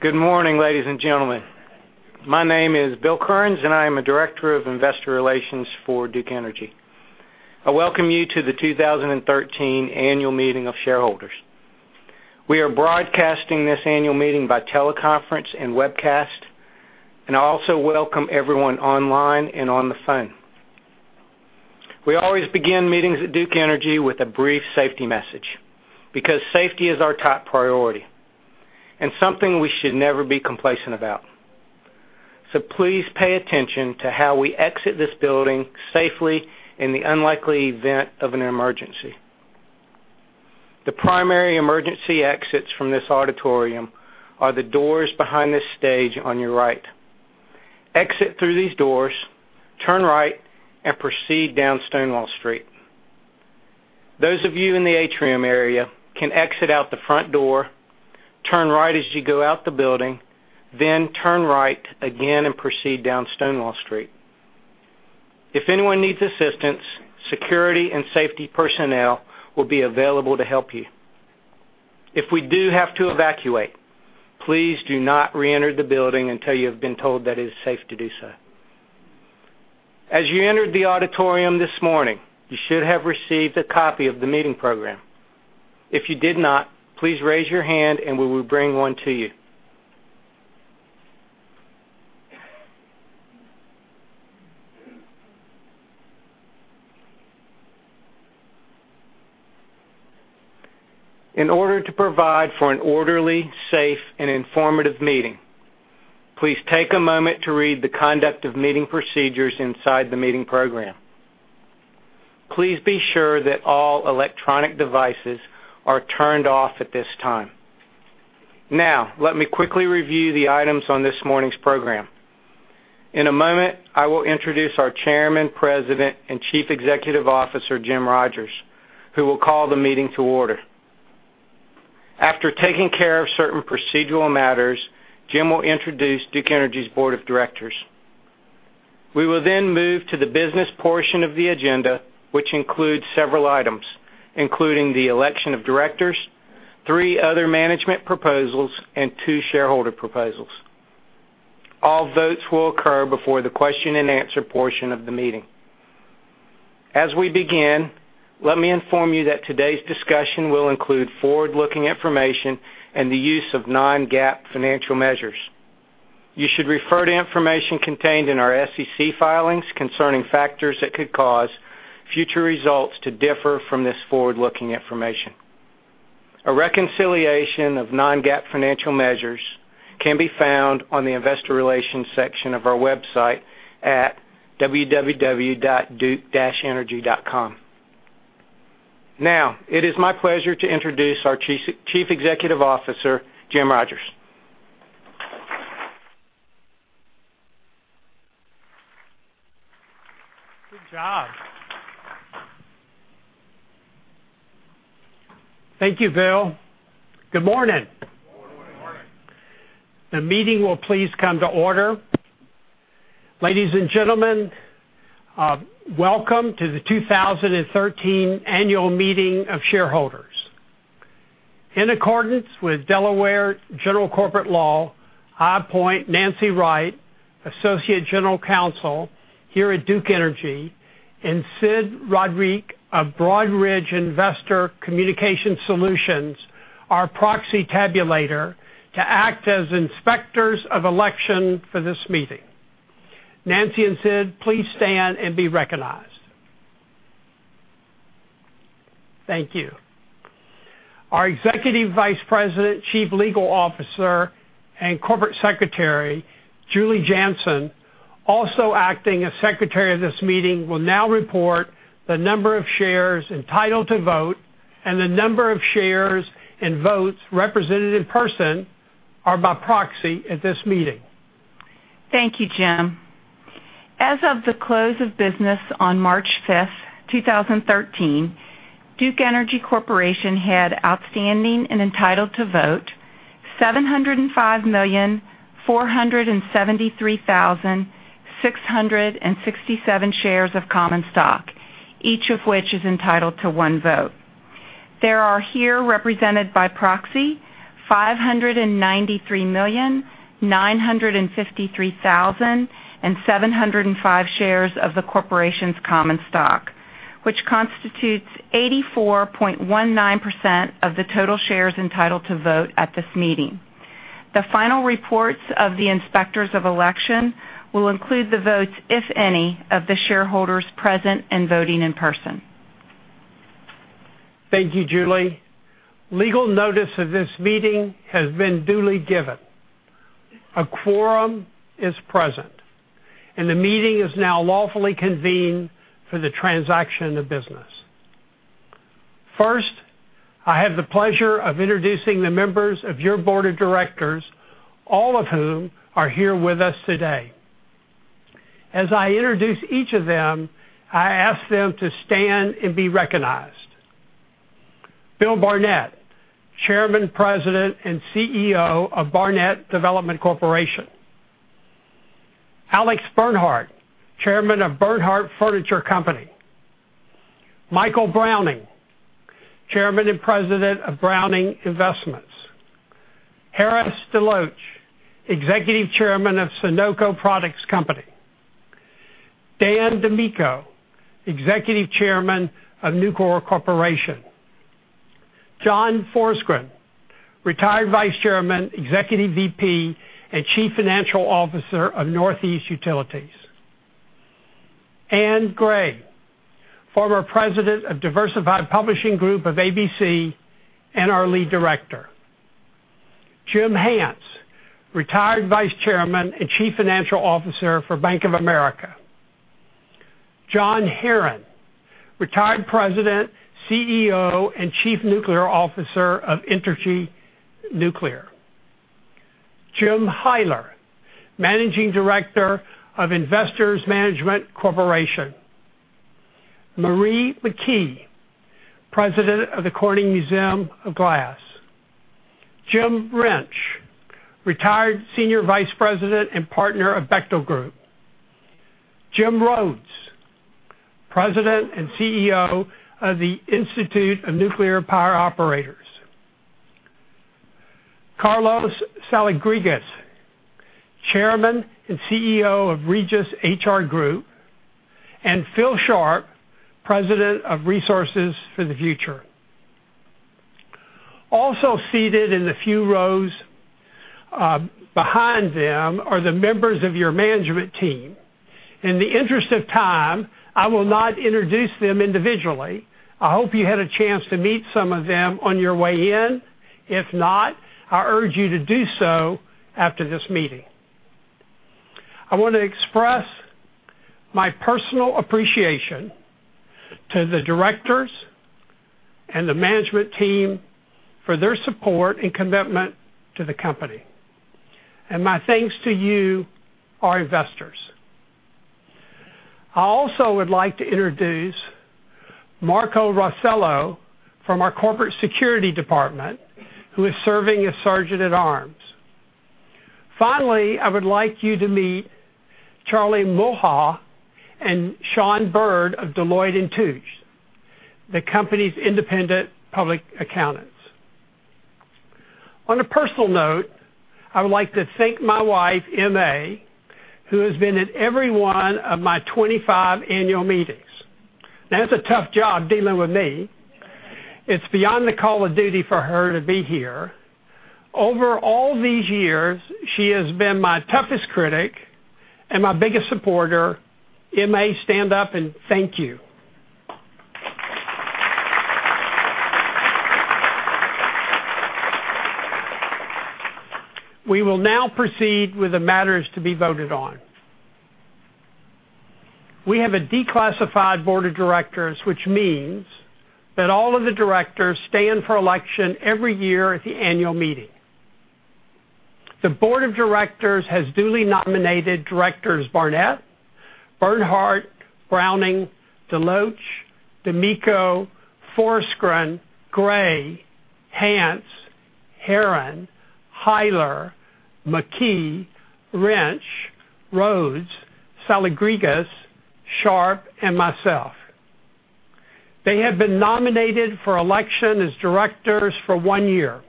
Good morning, ladies and gentlemen. My name is Bill Kerns, and I am a Director of Investor Relations for Duke Energy. I welcome you to the 2013 Annual Meeting of Shareholders. We are broadcasting this annual meeting by teleconference and webcast, and I also welcome everyone online and on the phone. We always begin meetings at Duke Energy with a brief safety message, because safety is our top priority and something we should never be complacent about. Please pay attention to how we exit this building safely in the unlikely event of an emergency. The primary emergency exits from this auditorium are the doors behind this stage on your right. Exit through these doors, turn right, and proceed down Stonewall Street. Those of you in the atrium area can exit out the front door, turn right as you go out the building, then turn right again and proceed down Stonewall Street. If anyone needs assistance, security and safety personnel will be available to help you. If we do have to evacuate, please do not reenter the building until you have been told that it is safe to do so. As you entered the auditorium this morning, you should have received a copy of the meeting program. If you did not, please raise your hand and we will bring one to you. In order to provide for an orderly, safe, and informative meeting, please take a moment to read the conduct of meeting procedures inside the meeting program. Please be sure that all electronic devices are turned off at this time. Now, let me quickly review the items on this morning's program. In a moment, I will introduce our Chairman, President, and Chief Executive Officer, Jim Rogers, who will call the meeting to order. After taking care of certain procedural matters, Jim will introduce Duke Energy's Board of Directors. We will then move to the business portion of the agenda, which includes several items, including the election of directors, three other management proposals, and two shareholder proposals. All votes will occur before the question and answer portion of the meeting. As we begin, let me inform you that today's discussion will include forward-looking information and the use of non-GAAP financial measures. You should refer to information contained in our SEC filings concerning factors that could cause future results to differ from this forward-looking information. A reconciliation of non-GAAP financial measures can be found on the investor relations section of our website at www.duke-energy.com. Now, it is my pleasure to introduce our Chief Executive Officer, Jim Rogers. Good job. Thank you, Bill. Good morning. Good morning. The meeting will please come to order. Ladies and gentlemen, welcome to the 2013 Annual Meeting of Shareholders. In accordance with Delaware General Corporation Law, I appoint Nancy Wright, Associate General Counsel here at Duke Energy, and Sid Rodrigue of Broadridge Investor Communication Solutions, our proxy tabulator, to act as inspectors of election for this meeting. Nancy and Sid, please stand and be recognized. Thank you. Our Executive Vice President, Chief Legal Officer, and Corporate Secretary, Julie Janson, also acting as secretary of this meeting, will now report the number of shares entitled to vote and the number of shares and votes represented in person or by proxy at this meeting. Thank you, Jim. As of the close of business on March 5th, 2013, Duke Energy Corporation had outstanding and entitled to vote 705,473,667 shares of common stock, each of which is entitled to one vote. There are here represented by proxy 593,953,705 shares of the corporation's common stock, which constitutes 84.19% of the total shares entitled to vote at this meeting. The final reports of the inspectors of election will include the votes, if any, of the shareholders present and voting in person. Thank you, Julie. Legal notice of this meeting has been duly given. A quorum is present, and the meeting is now lawfully convened for the transaction of business. First, I have the pleasure of introducing the members of your board of directors, all of whom are here with us today. As I introduce each of them, I ask them to stand and be recognized. Bill Barnett, Chairman, President, and CEO of Barnett Development Corporation. Alex Bernhardt, Chairman of Bernhardt Furniture Company. Michael Browning, Chairman and President of Browning Investments. Harris DeLoach, Executive Chairman of Sonoco Products Company. Dan DiMicco, Executive Chairman of Nucor Corporation. John Forsgren, Retired Vice Chairman, Executive VP, and Chief Financial Officer of Northeast Utilities. Ann Gray, former President of Diversified Publishing Group of ABC and our lead director. Jim Hance, Retired Vice Chairman and Chief Financial Officer for Bank of America. John Herron, Retired President, CEO, and Chief Nuclear Officer of Entergy Nuclear. Jim Hyler, Managing Director of Investors Management Corporation. Marie McKee, President of The Corning Museum of Glass. Jim Rensch, Retired Senior Vice President and Partner of Bechtel Group. Jim Rhodes, President and CEO of the Institute of Nuclear Power Operators. Carlos Saladrigas, Chairman and CEO of Regis HR Group. Phil Sharp, President of Resources for the Future. Also seated in the few rows behind them are the members of your management team. In the interest of time, I will not introduce them individually. I hope you had a chance to meet some of them on your way in. If not, I urge you to do so after this meeting. I want to express my personal appreciation to the directors and the management team for their support and commitment to the company. I also would like to introduce Marco Rossello from our corporate security department, who is serving as sergeant at arms. Finally, I would like you to meet Charlie Mulhall and Sean Bird of Deloitte & Touche, the company's independent public accountants. On a personal note, I would like to thank my wife, MA, who has been at every one of my 25 annual meetings. That's a tough job dealing with me. It's beyond the call of duty for her to be here. Over all these years, she has been my toughest critic and my biggest supporter. MA, stand up, and thank you. We will now proceed with the matters to be voted on. We have a declassified board of directors, which means that all of the directors stand for election every year at the annual meeting. The board of directors has duly nominated directors Barnett, Bernhardt, Browning, DeLoach, DiMicco, Forsgren, Gray, Hance, Herron, Hyler, McKee, Rensch, Rhodes, Saladrigas, Sharp, and myself. They have been nominated for election as directors for one year,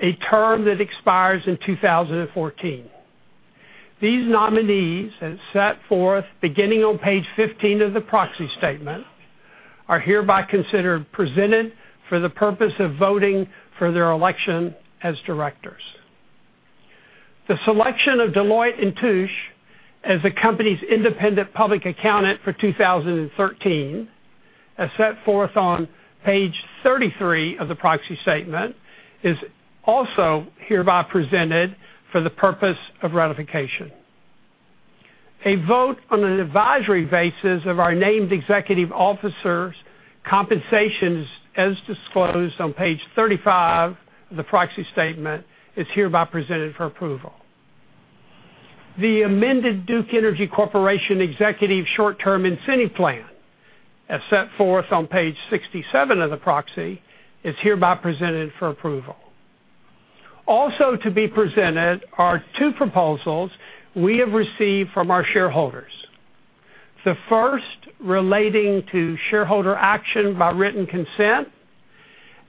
a term that expires in 2014. These nominees, as set forth beginning on page 15 of the proxy statement, are hereby considered presented for the purpose of voting for their election as directors. The selection of Deloitte & Touche as the company's independent public accountant for 2013, as set forth on page 33 of the proxy statement, is also hereby presented for the purpose of ratification. A vote on an advisory basis of our named executive officers' compensations, as disclosed on page 35 of the proxy statement, is hereby presented for approval. The amended Duke Energy Corporation Executive Short-Term Incentive Plan, as set forth on page 67 of the proxy, is hereby presented for approval. Also to be presented are two proposals we have received from our shareholders. The first relating to shareholder action by written consent,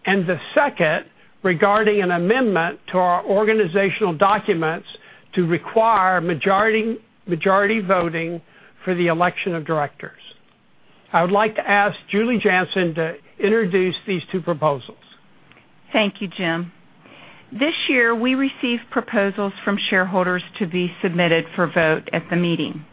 the second regarding an amendment to our organizational documents to require majority voting for the election of directors. I would like to ask Julie Janson to introduce these two proposals. Thank you, Jim. This year, we received proposals from shareholders to be submitted for vote at the meeting.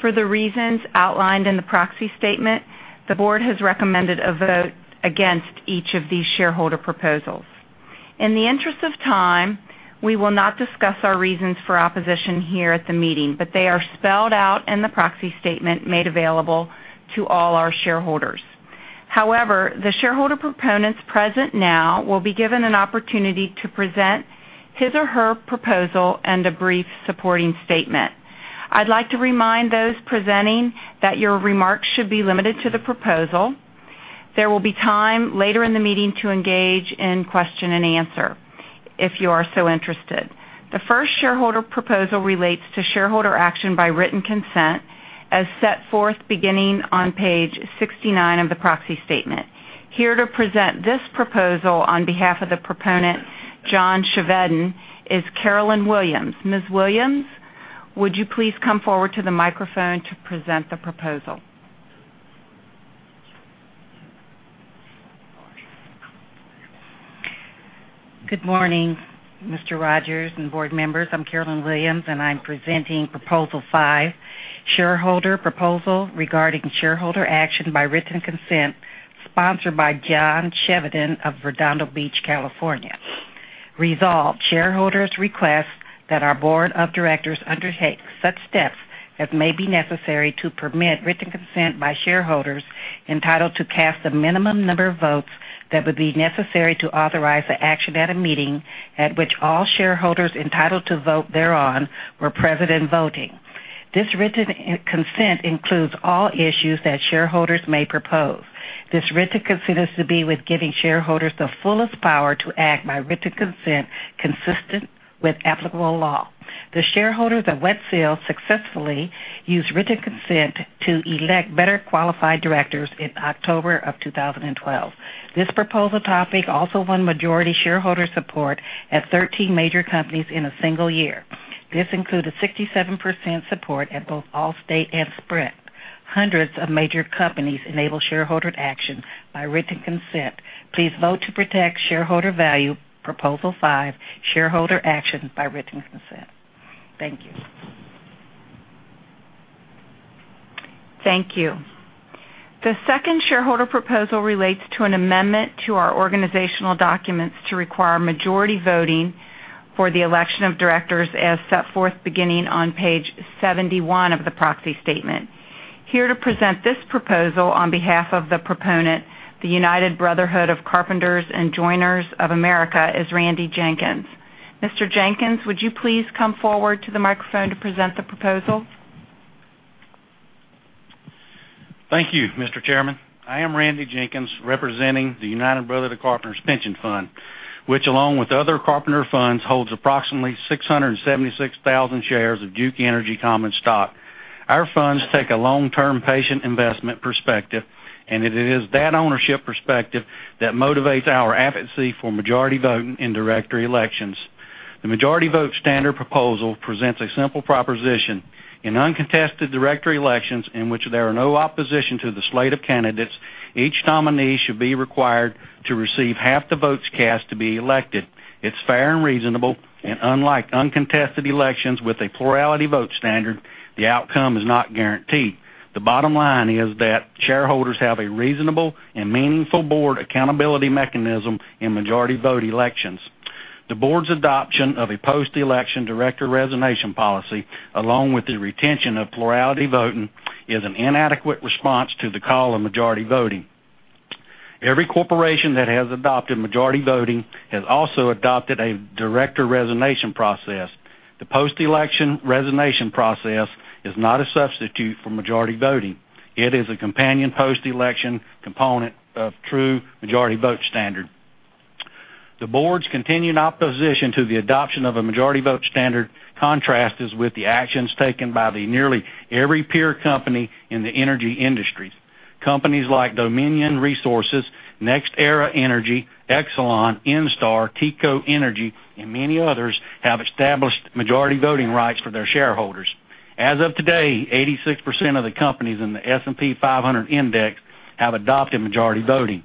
For the reasons outlined in the proxy statement, the board has recommended a vote against each of these shareholder proposals. In the interest of time, we will not discuss our reasons for opposition here at the meeting, they are spelled out in the proxy statement made available to all our shareholders. However, the shareholder proponents present now will be given an opportunity to present his or her proposal and a brief supporting statement. I'd like to remind those presenting that your remarks should be limited to the proposal. There will be time later in the meeting to engage in question and answer if you are so interested. The first shareholder proposal relates to shareholder action by written consent as set forth beginning on page 69 of the proxy statement. Here to present this proposal on behalf of the proponent, John Chevedden, is Carolyn Williams. Ms. Williams, would you please come forward to the microphone to present the proposal? Good morning, Mr. Rogers and board members. I'm Carolyn Williams, I'm presenting Proposal 5, shareholder proposal regarding shareholder action by written consent sponsored by John Chevedden of Redondo Beach, California. Resolved, shareholders request that our board of directors undertake such steps as may be necessary to permit written consent by shareholders entitled to cast the minimum number of votes that would be necessary to authorize the action at a meeting at which all shareholders entitled to vote thereon were present and voting. This written consent includes all issues that shareholders may propose. This written consent is to be with giving shareholders the fullest power to act by written consent consistent with applicable law. The shareholders of WESL successfully used written consent to elect better qualified directors in October of 2012. This proposal topic also won majority shareholder support at 13 major companies in a single year. This included 67% support at both Allstate and Sprint. Hundreds of major companies enable shareholder action by written consent. Please vote to protect shareholder value. Proposal 5, shareholder action by written consent. Thank you. Thank you. The second shareholder proposal relates to an amendment to our organizational documents to require majority voting for the election of directors as set forth beginning on page 71 of the proxy statement. Here to present this proposal on behalf of the proponent, the United Brotherhood of Carpenters and Joiners of America, is Randy Jenkins. Mr. Jenkins, would you please come forward to the microphone to present the proposal? Thank you, Mr. Chairman. I am Randy Jenkins, representing the United Brotherhood of Carpenters Pension Fund, which, along with other carpenter funds, holds approximately 676,000 shares of Duke Energy common stock. Our funds take a long-term patient investment perspective, and it is that ownership perspective that motivates our advocacy for majority voting in director elections. The majority vote standard proposal presents a simple proposition. In uncontested director elections in which there are no opposition to the slate of candidates, each nominee should be required to receive half the votes cast to be elected. It's fair and reasonable, and unlike uncontested elections with a plurality vote standard, the outcome is not guaranteed. The bottom line is that shareholders have a reasonable and meaningful board accountability mechanism in majority vote elections. The board's adoption of a post-election director resignation policy, along with the retention of plurality voting, is an inadequate response to the call of majority voting. Every corporation that has adopted majority voting has also adopted a director resignation process. The post-election resignation process is not a substitute for majority voting. It is a companion post-election component of true majority vote standard. The board's continuing opposition to the adoption of a majority vote standard contrasts with the actions taken by the nearly every peer company in the energy industry. Companies like Dominion Resources, NextEra Energy, Exelon, Entergy, TECO Energy, and many others have established majority voting rights for their shareholders. As of today, 86% of the companies in the S&P 500 Index have adopted majority voting.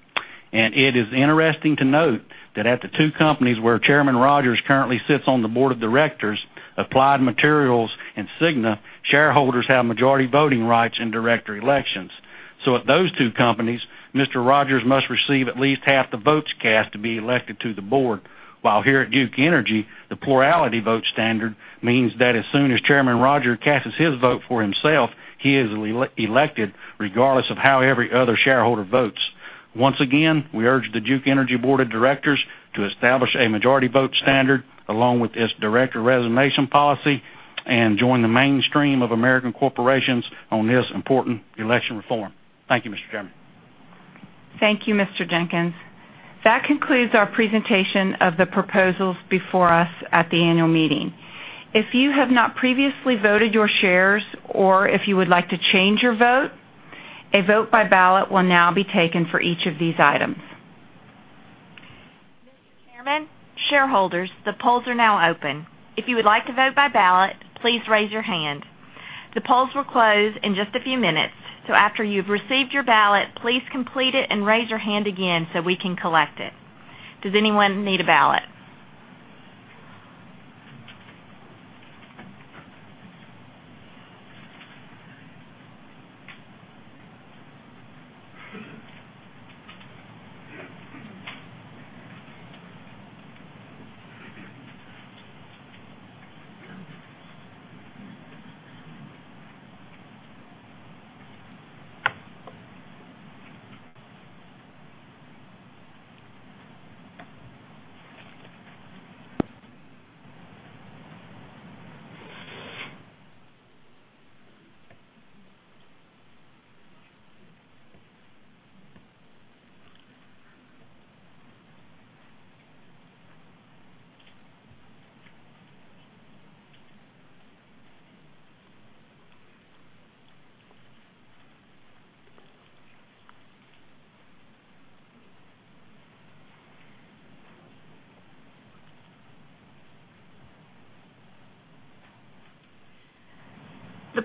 It is interesting to note that at the two companies where Chairman Rogers currently sits on the board of directors, Applied Materials and Cigna, shareholders have majority voting rights in director elections. At those two companies, Mr. Rogers must receive at least half the votes cast to be elected to the board. While here at Duke Energy, the plurality vote standard means that as soon as Chairman Rogers casts his vote for himself, he is elected regardless of how every other shareholder votes. Once again, we urge the Duke Energy Board of Directors to establish a majority vote standard along with its director resignation policy and join the mainstream of American corporations on this important election reform. Thank you, Mr. Chairman. Thank you, Mr. Jenkins. That concludes our presentation of the proposals before us at the annual meeting. If you have not previously voted your shares or if you would like to change your vote, a vote by ballot will now be taken for each of these items. Mr. Chairman, shareholders, the polls are now open. If you would like to vote by ballot, please raise your hand. The polls will close in just a few minutes, so after you've received your ballot, please complete it and raise your hand again so we can collect it. Does anyone need a ballot?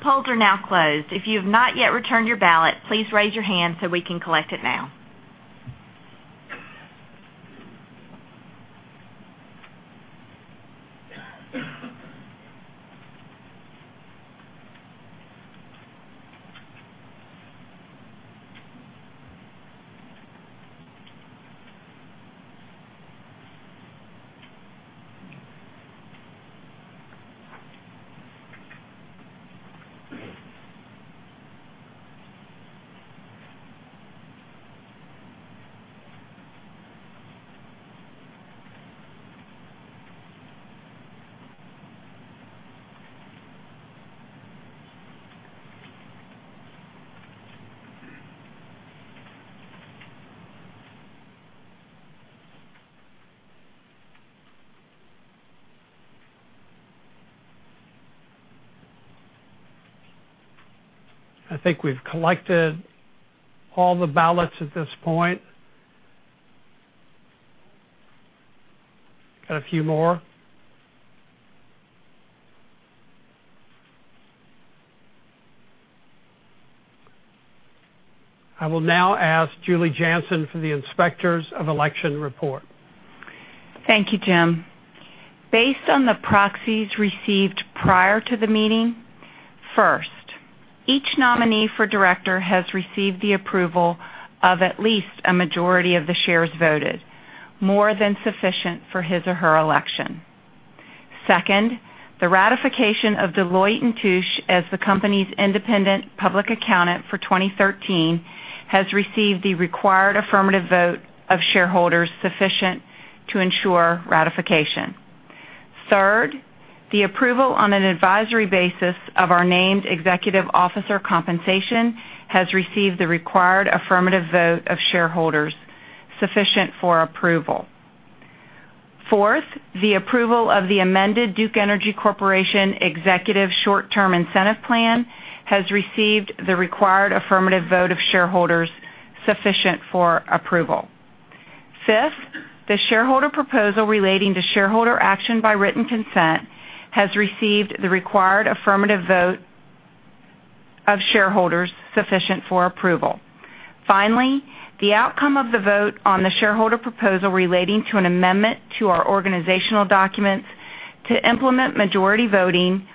The polls are now closed. If you have not yet returned your ballot, please raise your hand so we can collect it now. I think we've collected all the ballots at this point. Got a few more. I will now ask Julie Janson for the inspectors of election report. Thank you, Jim. Based on the proxies received prior to the meeting, first, each nominee for director has received the approval of at least a majority of the shares voted, more than sufficient for his or her election. Second, the ratification of Deloitte & Touche as the company's independent public accountant for 2013 has received the required affirmative vote of shareholders sufficient to ensure ratification. Third, the approval on an advisory basis of our named executive officer compensation has received the required affirmative vote of shareholders sufficient for approval. Fourth, the approval of the amended Duke Energy Corporation Executive Short-Term Incentive Plan has received the required affirmative vote of shareholders sufficient for approval. Fifth, the shareholder proposal relating to shareholder action by written consent has received the required affirmative vote of shareholders sufficient for approval. The outcome of the vote on the shareholder proposal relating to an amendment to our organizational documents to implement majority voting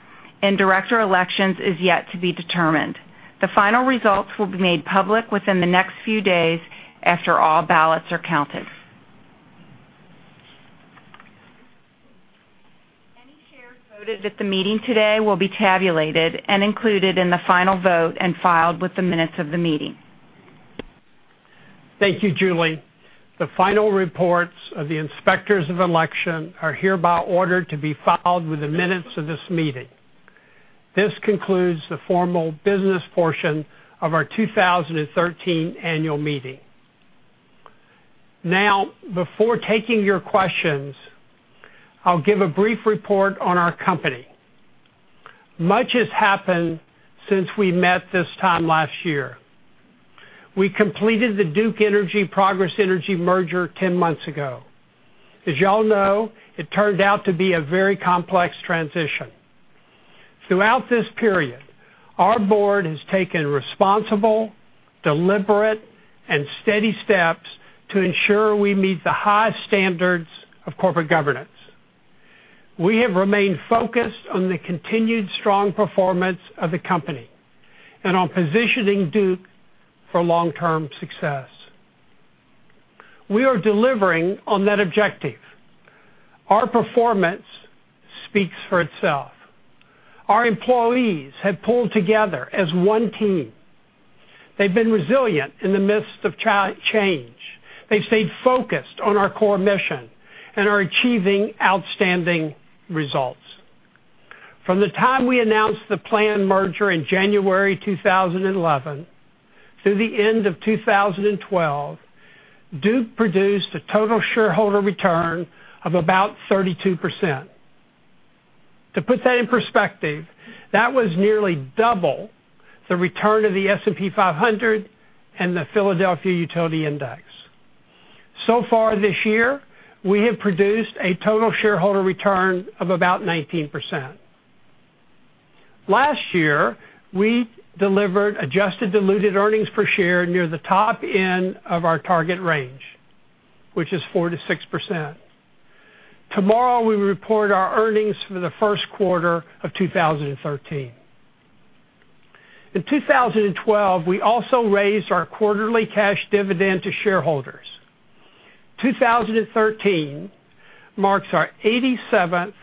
in director elections is yet to be determined. The final results will be made public within the next few days after all ballots are counted. Any shares voted at the meeting today will be tabulated and included in the final vote and filed with the minutes of the meeting. Thank you, Julie. The final reports of the inspectors of election are hereby ordered to be filed with the minutes of this meeting. This concludes the formal business portion of our 2013 annual meeting. Before taking your questions, I'll give a brief report on our company. Much has happened since we met this time last year. We completed the Duke Energy-Progress Energy merger 10 months ago. As you all know, it turned out to be a very complex transition. Throughout this period, our board has taken responsible, deliberate, and steady steps to ensure we meet the high standards of corporate governance. We have remained focused on the continued strong performance of the company and on positioning Duke for long-term success. We are delivering on that objective. Our performance speaks for itself. Our employees have pulled together as one team. They've been resilient in the midst of change. They've stayed focused on our core mission and are achieving outstanding results. From the time we announced the planned merger in January 2011 through the end of 2012, Duke produced a total shareholder return of about 32%. To put that in perspective, that was nearly double the return of the S&P 500 and the Philadelphia Utility Index. Far this year, we have produced a total shareholder return of about 19%. Last year, we delivered adjusted diluted earnings per share near the top end of our target range, which is 4%-6%. Tomorrow, we report our earnings for the first quarter of 2013. In 2012, we also raised our quarterly cash dividend to shareholders. 2013 marks our 87th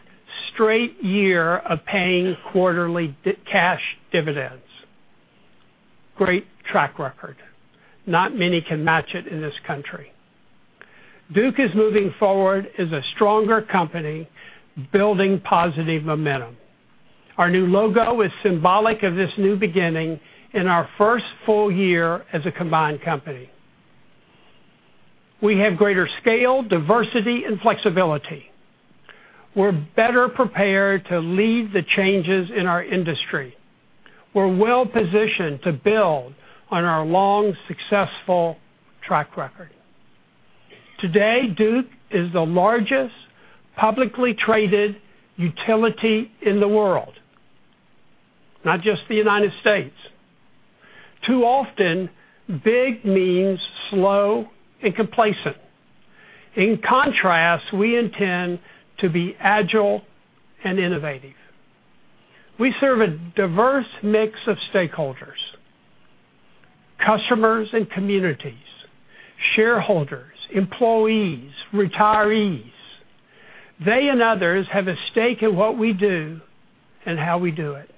straight year of paying quarterly cash dividends. Great track record. Not many can match it in this country. Duke is moving forward as a stronger company, building positive momentum. Our new logo is symbolic of this new beginning in our first full year as a combined company. We have greater scale, diversity, and flexibility. We're better prepared to lead the changes in our industry. We're well-positioned to build on our long, successful track record. Today, Duke is the largest publicly traded utility in the world, not just the U.S. Too often, big means slow and complacent. In contrast, we intend to be agile and innovative. We serve a diverse mix of stakeholders, customers and communities, shareholders, employees, retirees. They and others have a stake in what we do and how we do it.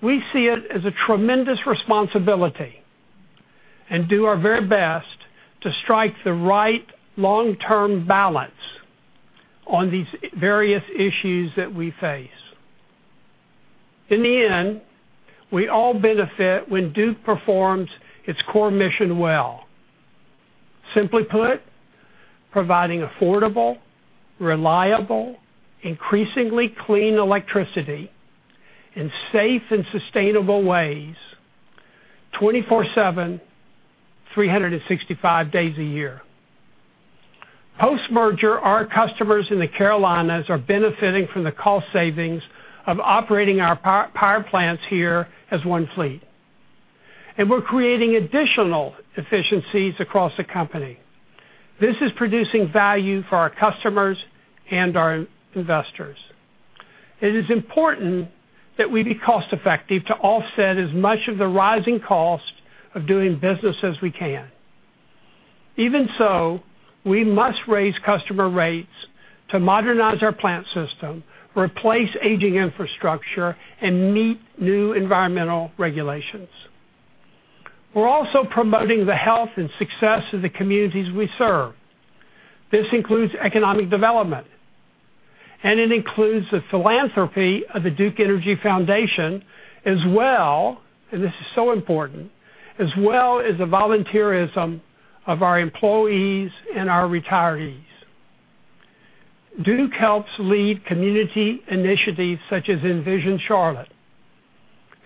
We see it as a tremendous responsibility and do our very best to strike the right long-term balance on these various issues that we face. In the end, we all benefit when Duke performs its core mission well. Simply put, providing affordable, reliable, increasingly clean electricity in safe and sustainable ways, 24/7, 365 days a year. Post-merger, our customers in the Carolinas are benefiting from the cost savings of operating our power plants here as one fleet. We're creating additional efficiencies across the company. This is producing value for our customers and our investors. It is important that we be cost effective to offset as much of the rising cost of doing business as we can. Even so, we must raise customer rates to modernize our plant system, replace aging infrastructure, and meet new environmental regulations. We're also promoting the health and success of the communities we serve. This includes economic development, and it includes the philanthropy of the Duke Energy Foundation as well, and this is so important, as well as the volunteerism of our employees and our retirees. Duke helps lead community initiatives such as Envision Charlotte.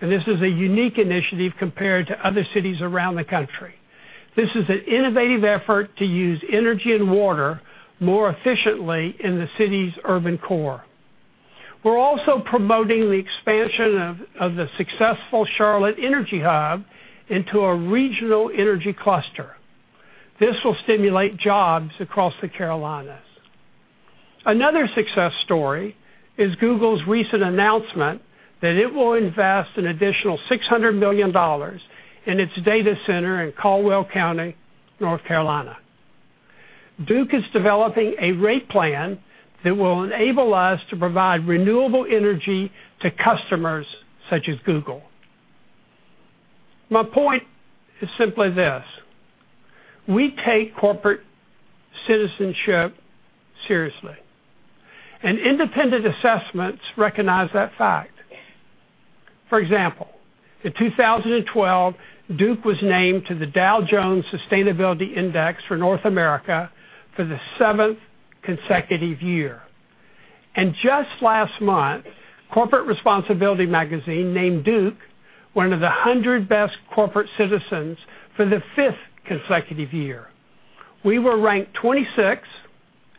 This is a unique initiative compared to other cities around the country. This is an innovative effort to use energy and water more efficiently in the city's urban core. We're also promoting the expansion of the successful Charlotte Energy Hub into a regional energy cluster. This will stimulate jobs across the Carolinas. Another success story is Google's recent announcement that it will invest an additional $600 million in its data center in Caldwell County, North Carolina. Duke is developing a rate plan that will enable us to provide renewable energy to customers such as Google. My point is simply this, we take corporate citizenship seriously, and independent assessments recognize that fact. For example, in 2012, Duke was named to the Dow Jones Sustainability Index for North America for the seventh consecutive year. Just last month, Corporate Responsibility Magazine named Duke one of the 100 best corporate citizens for the 5th consecutive year. We were ranked 26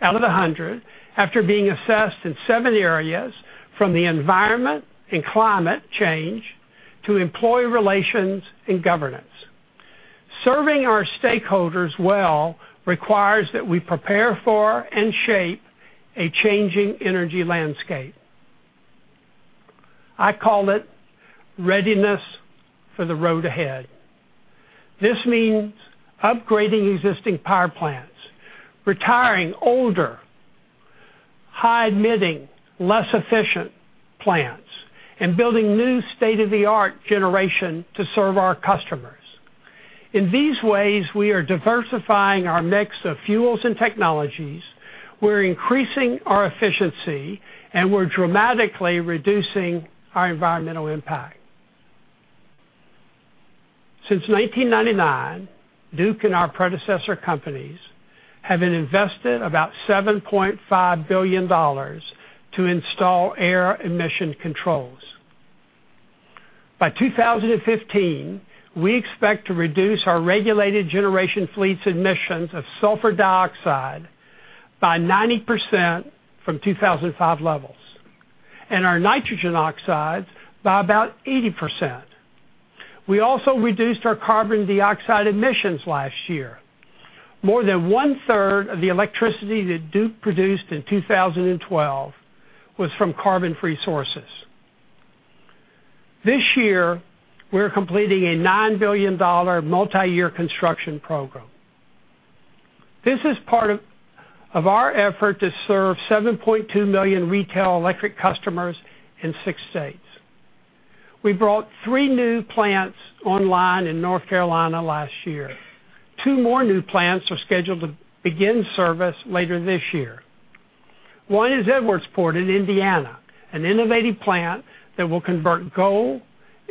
out of 100 after being assessed in 70 areas from the environment and climate change to employee relations and governance. Serving our stakeholders well requires that we prepare for and shape a changing energy landscape. I call it readiness for the road ahead. This means upgrading existing power plants, retiring older, high-emitting, less efficient plants, and building new state-of-the-art generation to serve our customers. In these ways, we are diversifying our mix of fuels and technologies, we're increasing our efficiency, and we're dramatically reducing our environmental impact. Since 1999, Duke and our predecessor companies have invested about $7.5 billion to install air emission controls. By 2015, we expect to reduce our regulated generation fleet's emissions of sulfur dioxide by 90% from 2005 levels, and our nitrogen oxides by about 80%. We also reduced our carbon dioxide emissions last year. More than one-third of the electricity that Duke produced in 2012 was from carbon-free sources. This year, we're completing a $9 billion multi-year construction program. This is part of our effort to serve 7.2 million retail electric customers in six states. We brought three new plants online in North Carolina last year. Two more new plants are scheduled to begin service later this year. One is Edwardsport in Indiana, an innovative plant that will convert coal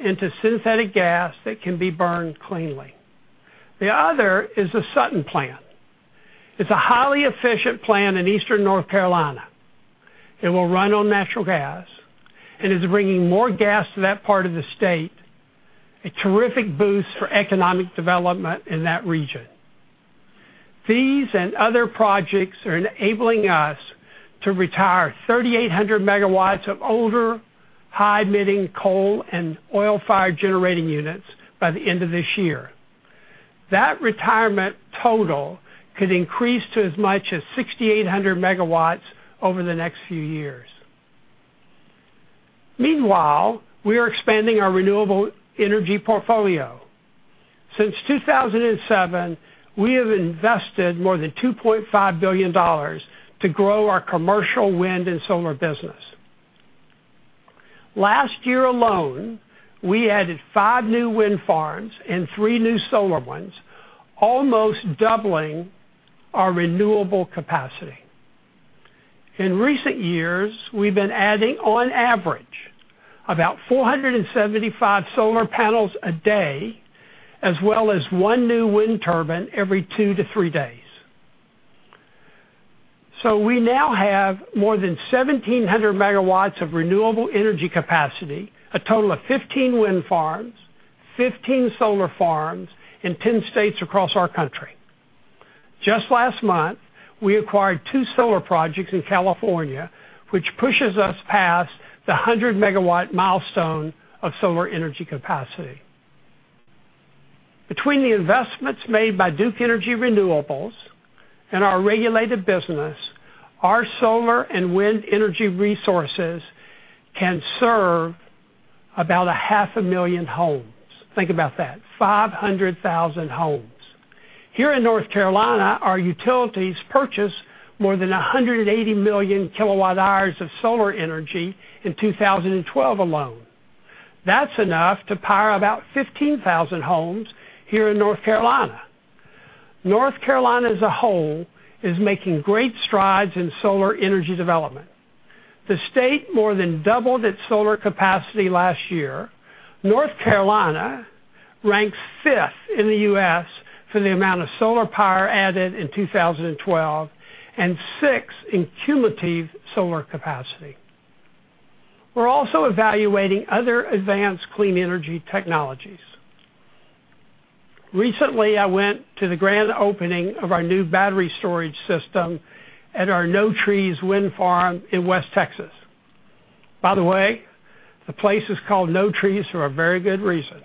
into synthetic gas that can be burned cleanly. The other is the Sutton plant. It's a highly efficient plant in eastern North Carolina. It will run on natural gas and is bringing more gas to that part of the state, a terrific boost for economic development in that region. These and other projects are enabling us to retire 3,800 megawatts of older, high-emitting coal and oil-fired generating units by the end of this year. That retirement total could increase to as much as 6,800 megawatts over the next few years. Meanwhile, we are expanding our renewable energy portfolio. Since 2007, we have invested more than $2.5 billion to grow our commercial wind and solar business. Last year alone, we added five new wind farms and three new solar ones, almost doubling our renewable capacity. In recent years, we've been adding, on average, about 475 solar panels a day, as well as one new wind turbine every two to three days. We now have more than 1,700 megawatts of renewable energy capacity, a total of 15 wind farms, 15 solar farms in 10 states across our country. Just last month, we acquired two solar projects in California, which pushes us past the 100-megawatt milestone of solar energy capacity. Between the investments made by Duke Energy Renewables and our regulated business, our solar and wind energy resources can serve about a half a million homes. Think about that, 500,000 homes. Here in North Carolina, our utilities purchased more than 180 million kilowatt hours of solar energy in 2012 alone. That's enough to power about 15,000 homes here in North Carolina. North Carolina as a whole is making great strides in solar energy development. The state more than doubled its solar capacity last year. North Carolina ranks 5th in the U.S. for the amount of solar power added in 2012 and 6th in cumulative solar capacity. We're also evaluating other advanced clean energy technologies. Recently, I went to the grand opening of our new battery storage system at our Notrees wind farm in West Texas. By the way, the place is called Notrees for a very good reason.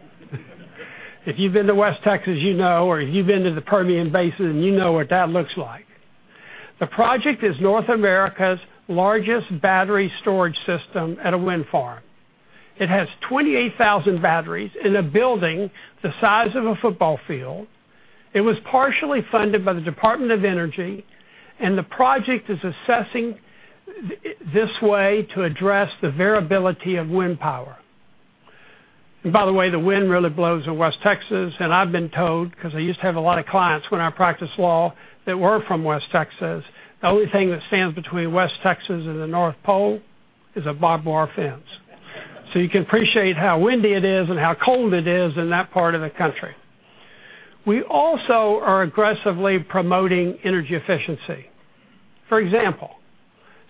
If you've been to West Texas, you know, or if you've been to the Permian Basin, you know what that looks like. The project is North America's largest battery storage system at a wind farm. It has 28,000 batteries in a building the size of a football field. It was partially funded by the Department of Energy. The project is assessing this way to address the variability of wind power. By the way, the wind really blows in West Texas. I've been told, because I used to have a lot of clients when I practiced law that were from West Texas, the only thing that stands between West Texas and the North Pole is a barbed wire fence. You can appreciate how windy it is and how cold it is in that part of the country. We also are aggressively promoting energy efficiency. For example,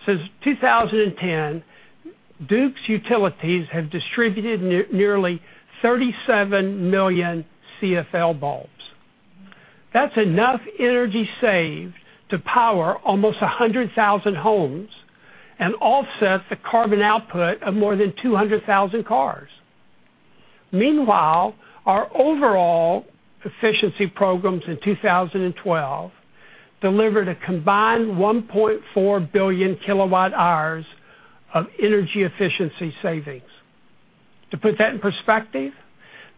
since 2010, Duke's utilities have distributed nearly 37 million CFL bulbs. That's enough energy saved to power almost 100,000 homes and offset the carbon output of more than 200,000 cars. Meanwhile, our overall efficiency programs in 2012 delivered a combined 1.4 billion kilowatt hours of energy efficiency savings. To put that in perspective,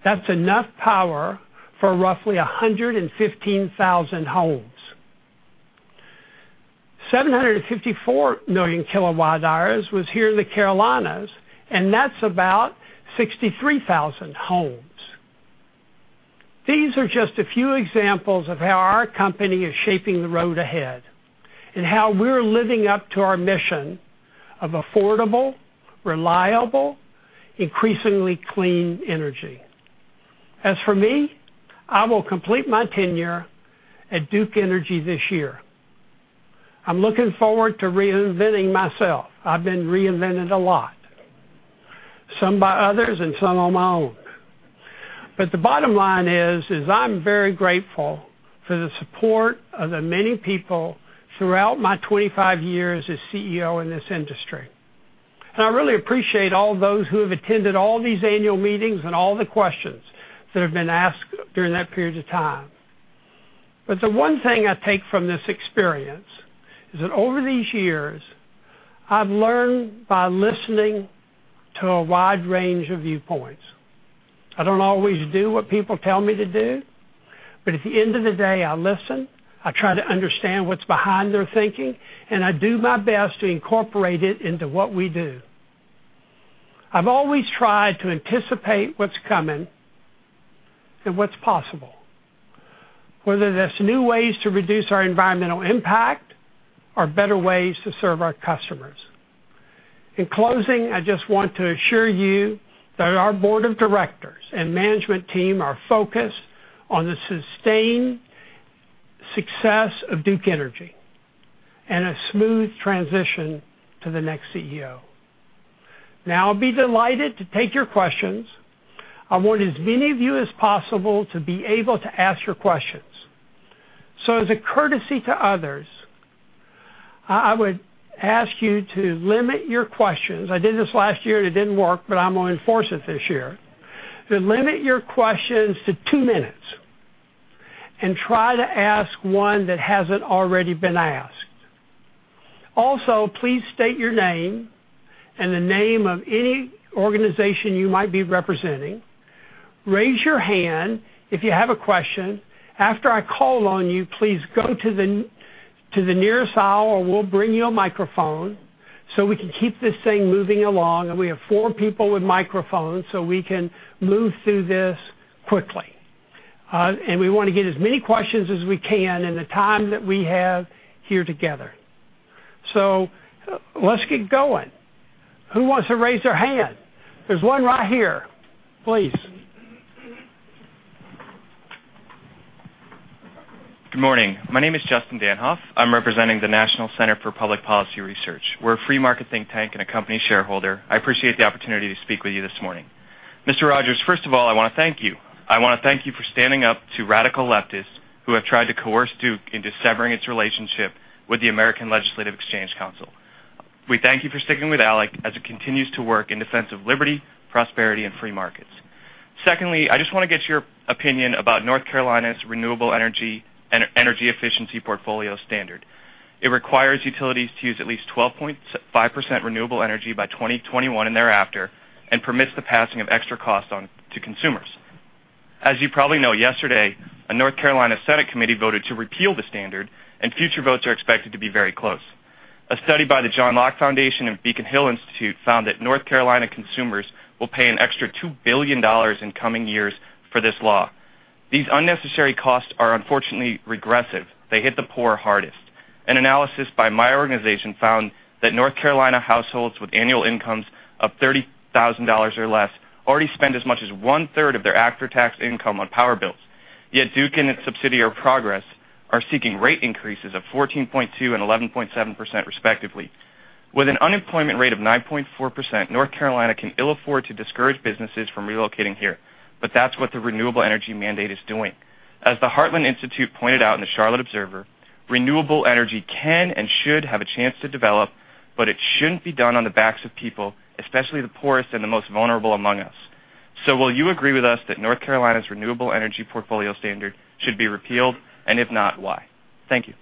that's enough power for roughly 115,000 homes. 754 million kilowatt hours was here in the Carolinas. That's about 63,000 homes. These are just a few examples of how our company is shaping the road ahead and how we're living up to our mission of affordable, reliable, increasingly clean energy. As for me, I will complete my tenure at Duke Energy this year. I'm looking forward to reinventing myself. I've been reinvented a lot. Some by others and some on my own. The bottom line is, I'm very grateful for the support of the many people throughout my 25 years as CEO in this industry. I really appreciate all those who have attended all these annual meetings and all the questions that have been asked during that period of time. The one thing I take from this experience is that over these years, I've learned by listening to a wide range of viewpoints. I don't always do what people tell me to do. At the end of the day, I listen, I try to understand what's behind their thinking. I do my best to incorporate it into what we do. I've always tried to anticipate what's coming and what's possible, whether that's new ways to reduce our environmental impact or better ways to serve our customers. In closing, I just want to assure you that our board of directors and management team are focused on the sustained success of Duke Energy and a smooth transition to the next CEO. I'll be delighted to take your questions. I want as many of you as possible to be able to ask your questions. As a courtesy to others, I would ask you to limit your questions. I did this last year and it didn't work, but I'm going to enforce it this year. Limit your questions to 2 minutes and try to ask one that hasn't already been asked. Also, please state your name and the name of any organization you might be representing. Raise your hand if you have a question. After I call on you, please go to the nearest aisle or we'll bring you a microphone so we can keep this thing moving along. We have 4 people with microphones, so we can move through this quickly. We want to get as many questions as we can in the time that we have here together. Let's get going. Who wants to raise their hand? There's one right here. Please. Good morning. My name is Justin Danhoff. I'm representing the National Center for Public Policy Research. We're a free market think tank and a company shareholder. I appreciate the opportunity to speak with you this morning. Mr. Rogers, first of all, I want to thank you. I want to thank you for standing up to radical leftists who have tried to coerce Duke into severing its relationship with the American Legislative Exchange Council. We thank you for sticking with ALEC as it continues to work in defense of liberty, prosperity, and free markets. Secondly, I just want to get your opinion about North Carolina's Renewable Energy and Energy Efficiency Portfolio Standard. It requires utilities to use at least 12.5% renewable energy by 2021 and thereafter, and permits the passing of extra costs on to consumers. As you probably know, yesterday, a North Carolina Senate committee voted to repeal the standard and future votes are expected to be very close. A study by the John Locke Foundation and Beacon Hill Institute found that North Carolina consumers will pay an extra $2 billion in coming years for this law. These unnecessary costs are unfortunately regressive. They hit the poor hardest. An analysis by my organization found that North Carolina households with annual incomes of $30,000 or less already spend as much as one-third of their after-tax income on power bills. Yet Duke and its subsidiary Progress are seeking rate increases of 14.2% and 11.7% respectively. With an unemployment rate of 9.4%, North Carolina can ill afford to discourage businesses from relocating here, but that's what the renewable energy mandate is doing. As the Heartland Institute pointed out in The Charlotte Observer, renewable energy can and should have a chance to develop, but it shouldn't be done on the backs of people, especially the poorest and the most vulnerable among us. Will you agree with us that North Carolina's Renewable Energy Portfolio Standard should be repealed? If not, why? Thank you.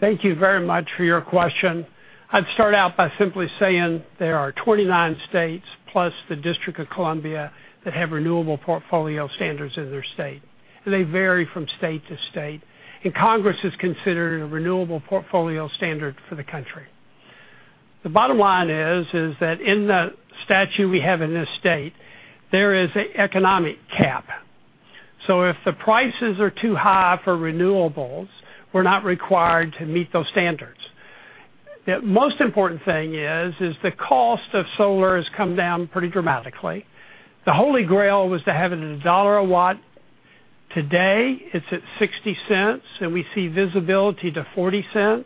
Thank you very much for your question. I'd start out by simply saying there are 29 states plus the D.C. that have Renewable Portfolio Standards in their state. They vary from state to state. Congress is considering a Renewable Portfolio Standard for the country. The bottom line is that in the statute we have in this state, there is an economic cap. If the prices are too high for renewables, we're not required to meet those standards. The most important thing is the cost of solar has come down pretty dramatically. The Holy Grail was to have it at $1 a watt. Today, it's at $0.60, and we see visibility to $0.40.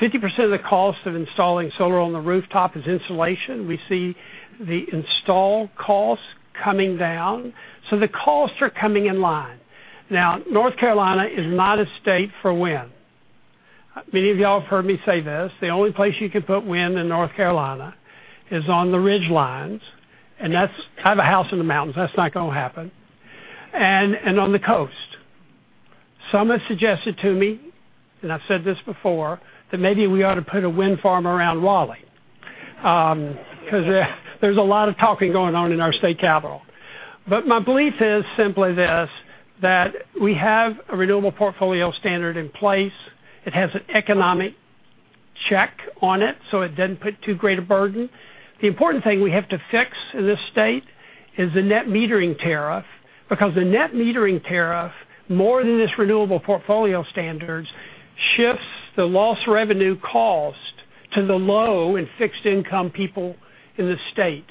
50% of the cost of installing solar on the rooftop is insulation. We see the install costs coming down. The costs are coming in line. North Carolina is not a state for wind. Many of y'all have heard me say this. The only place you can put wind in North Carolina is on the ridge lines, and I have a house in the mountains, that's not going to happen, and on the coast. Some have suggested to me, and I've said this before, that maybe we ought to put a wind farm around Raleigh because there's a lot of talking going on in our state capital. My belief is simply this, that we have a Renewable Portfolio Standard in place. It has an economic check on it, so it doesn't put too great a burden. The important thing we have to fix in this state is the net metering tariff, because the net metering tariff, more than this Renewable Portfolio Standards, shifts the lost revenue cost to the low and fixed-income people in the state.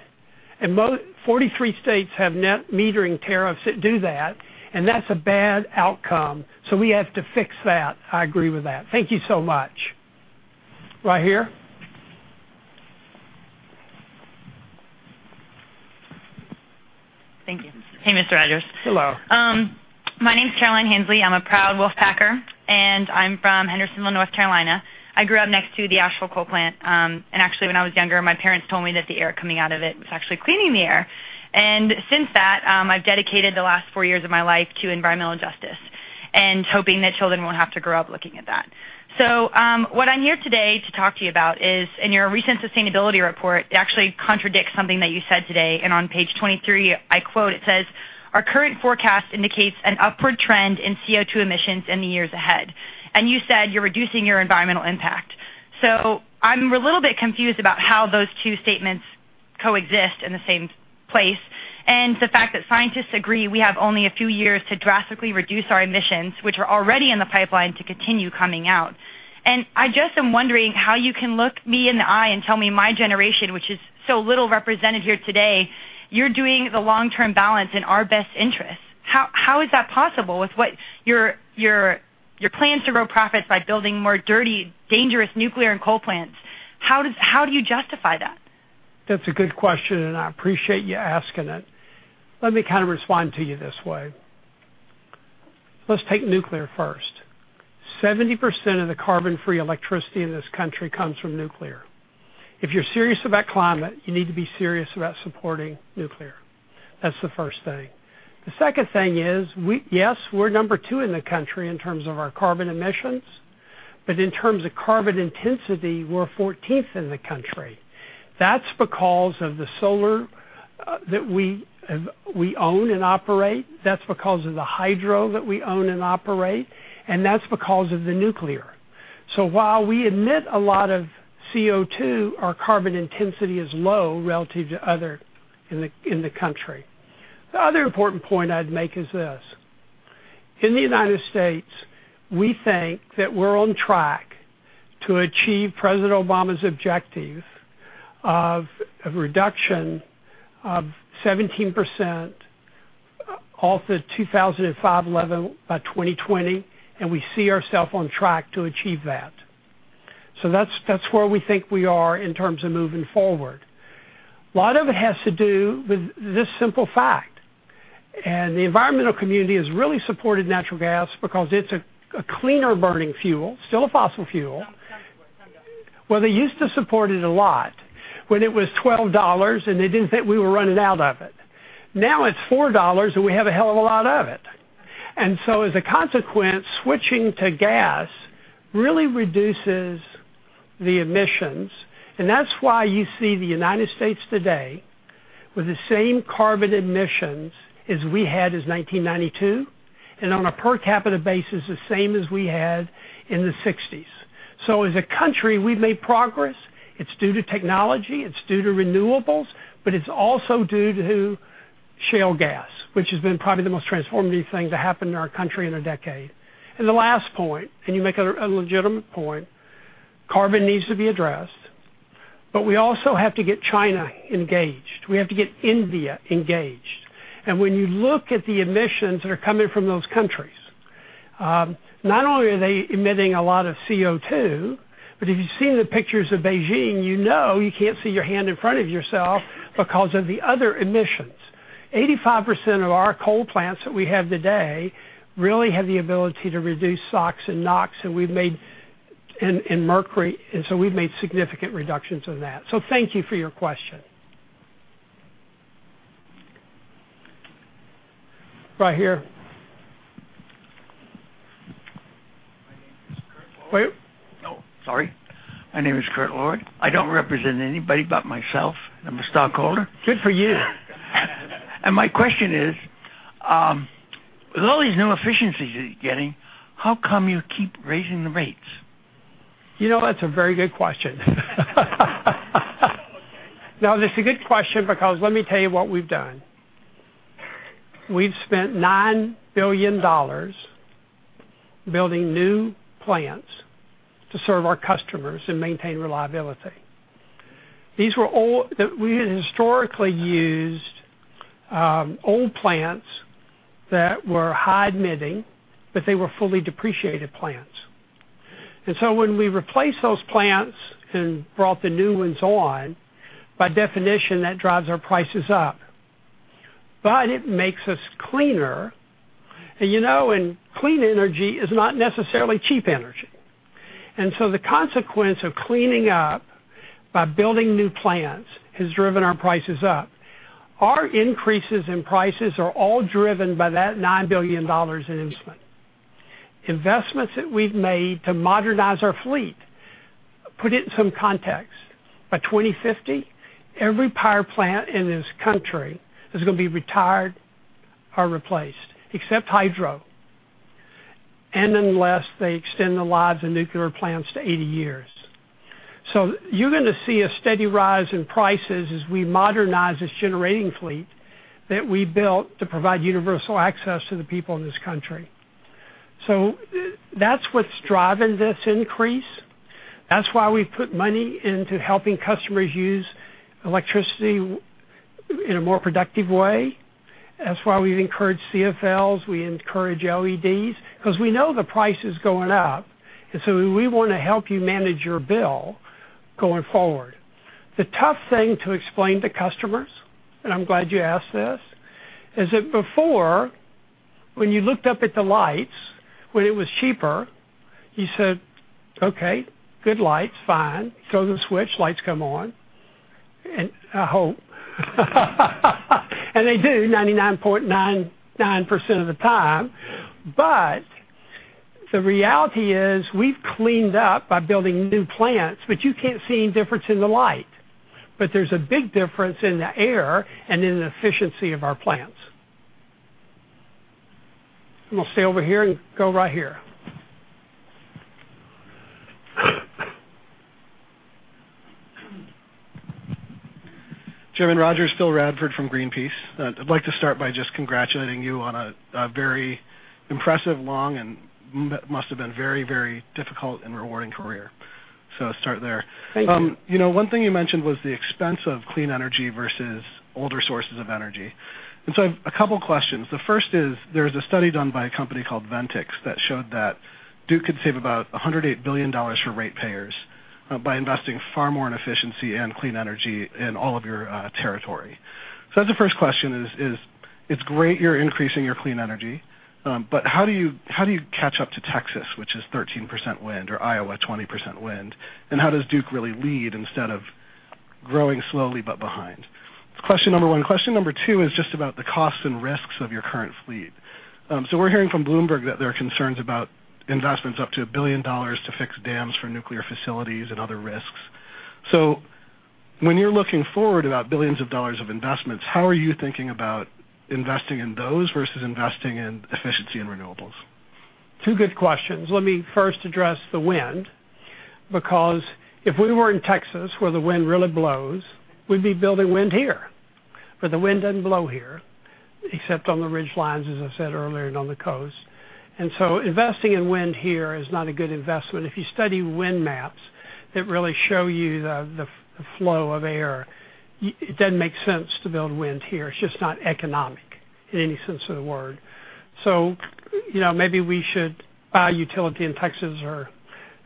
43 states have net metering tariffs that do that, and that's a bad outcome. We have to fix that. I agree with that. Thank you so much. Right here. Thank you. Hey, Mr. Rogers. Hello. My name is Caroline Hensley. I'm a proud Wolfpacker, and I'm from Hendersonville, North Carolina. I grew up next to the Asheville coal plant, and actually, when I was younger, my parents told me that the air coming out of it was actually cleaning the air. Since that, I've dedicated the last four years of my life to environmental justice. Hoping that children won't have to grow up looking at that. What I'm here today to talk to you about is, in your recent sustainability report, it actually contradicts something that you said today, and on page 23, I quote, it says, "Our current forecast indicates an upward trend in CO2 emissions in the years ahead." You said you're reducing your environmental impact. I'm a little bit confused about how those two statements coexist in the same place, and the fact that scientists agree we have only a few years to drastically reduce our emissions, which are already in the pipeline to continue coming out. I just am wondering how you can look me in the eye and tell me, my generation, which is so little represented here today, you're doing the long-term balance in our best interest. How is that possible with what you're planning to grow profits by building more dirty, dangerous nuclear and coal plants? How do you justify that? That's a good question, and I appreciate you asking it. Let me kind of respond to you this way. Let's take nuclear first. 70% of the carbon-free electricity in this country comes from nuclear. If you're serious about climate, you need to be serious about supporting nuclear. That's the first thing. The second thing is, yes, we're number 2 in the country in terms of our carbon emissions, but in terms of carbon intensity, we're 14th in the country. That's because of the solar that we own and operate, that's because of the hydro that we own and operate, and that's because of the nuclear. While we emit a lot of CO2, our carbon intensity is low relative to other in the country. The other important point I'd make is this. In the U.S., we think that we're on track to achieve Barack Obama's objective of a reduction of 17% off the 2005 level by 2020, we see ourself on track to achieve that. That's where we think we are in terms of moving forward. A lot of it has to do with this simple fact, the environmental community has really supported natural gas because it's a cleaner-burning fuel, still a fossil fuel. Time, sir. Time's up. Well, they used to support it a lot when it was $12 and they didn't think we were running out of it. Now it's $4, and we have a hell of a lot of it. As a consequence, switching to gas really reduces the emissions, and that's why you see the U.S. today with the same carbon emissions as we had as 1992 and on a per capita basis, the same as we had in the '60s. As a country, we've made progress. It's due to technology, it's due to renewables, but it's also due to shale gas, which has been probably the most transformative thing to happen in our country in a decade. The last point, and you make a legitimate point, carbon needs to be addressed, but we also have to get China engaged. We have to get India engaged. When you look at the emissions that are coming from those countries, not only are they emitting a lot of CO2, but if you've seen the pictures of Beijing, you know you can't see your hand in front of yourself because of the other emissions. 85% of our coal plants that we have today really have the ability to reduce SOx and NOx, and mercury. We've made significant reductions in that. Thank you for your question. Right here. My name is Kurt Lloyd. Wait. Oh, sorry. My name is Kurt Lloyd. I do not represent anybody but myself. I am a stockholder. Good for you. My question is, with all these new efficiencies that you are getting, how come you keep raising the rates? That is a very good question. Okay. We've spent $9 billion building new plants to serve our customers and maintain reliability. We had historically used old plants that were high emitting, but they were fully depreciated plants. When we replaced those plants and brought the new ones on, by definition, that drives our prices up. It makes us cleaner. Clean energy is not necessarily cheap energy. The consequence of cleaning up by building new plants has driven our prices up. Our increases in prices are all driven by that $9 billion in investment. Investments that we've made to modernize our fleet. Put it in some context. By 2050, every power plant in this country is going to be retired or replaced, except hydro, unless they extend the lives of nuclear plants to 80 years. You're going to see a steady rise in prices as we modernize this generating fleet that we built to provide universal access to the people in this country. That's what's driving this increase. That's why we put money into helping customers use electricity in a more productive way. That's why we encourage CFLs, we encourage LEDs, because we know the price is going up, we want to help you manage your bill going forward. The tough thing to explain to customers, and I'm glad you asked this, is that before when you looked up at the lights, when it was cheaper, you said, "Okay, good lights, fine." Throw the switch, lights come on. I hope. They do 99.99% of the time. The reality is we've cleaned up by building new plants, but you can't see any difference in the light. There's a big difference in the air and in the efficiency of our plants. I'm going to stay over here and go right here. Jim and Rogers, Phil Radford from Greenpeace. I'd like to start by just congratulating you on a very impressive, long, and must have been very, very difficult and rewarding career. Let's start there. Thank you. A couple of questions. The first is, there was a study done by a company called Ventyx that showed that Duke could save about $108 billion for ratepayers by investing far more in efficiency and clean energy in all of your territory. That's the first question is, it's great you're increasing your clean energy, but how do you catch up to Texas, which is 13% wind, or Iowa, 20% wind? How does Duke really lead instead of growing slowly but behind? That's question number 1. Question number 2 is just about the costs and risks of your current fleet. We're hearing from Bloomberg that there are concerns about investments up to $1 billion to fix dams for nuclear facilities and other risks. When you're looking forward about billions of dollars of investments, how are you thinking about investing in those versus investing in efficiency and renewables? Two good questions. Let me first address the wind, because if we were in Texas, where the wind really blows, we'd be building wind here. The wind doesn't blow here, except on the ridge lines, as I said earlier, and on the coast. Investing in wind here is not a good investment. If you study wind maps that really show you the flow of air, it doesn't make sense to build wind here. It's just not economic in any sense of the word. Maybe we should buy a utility in Texas or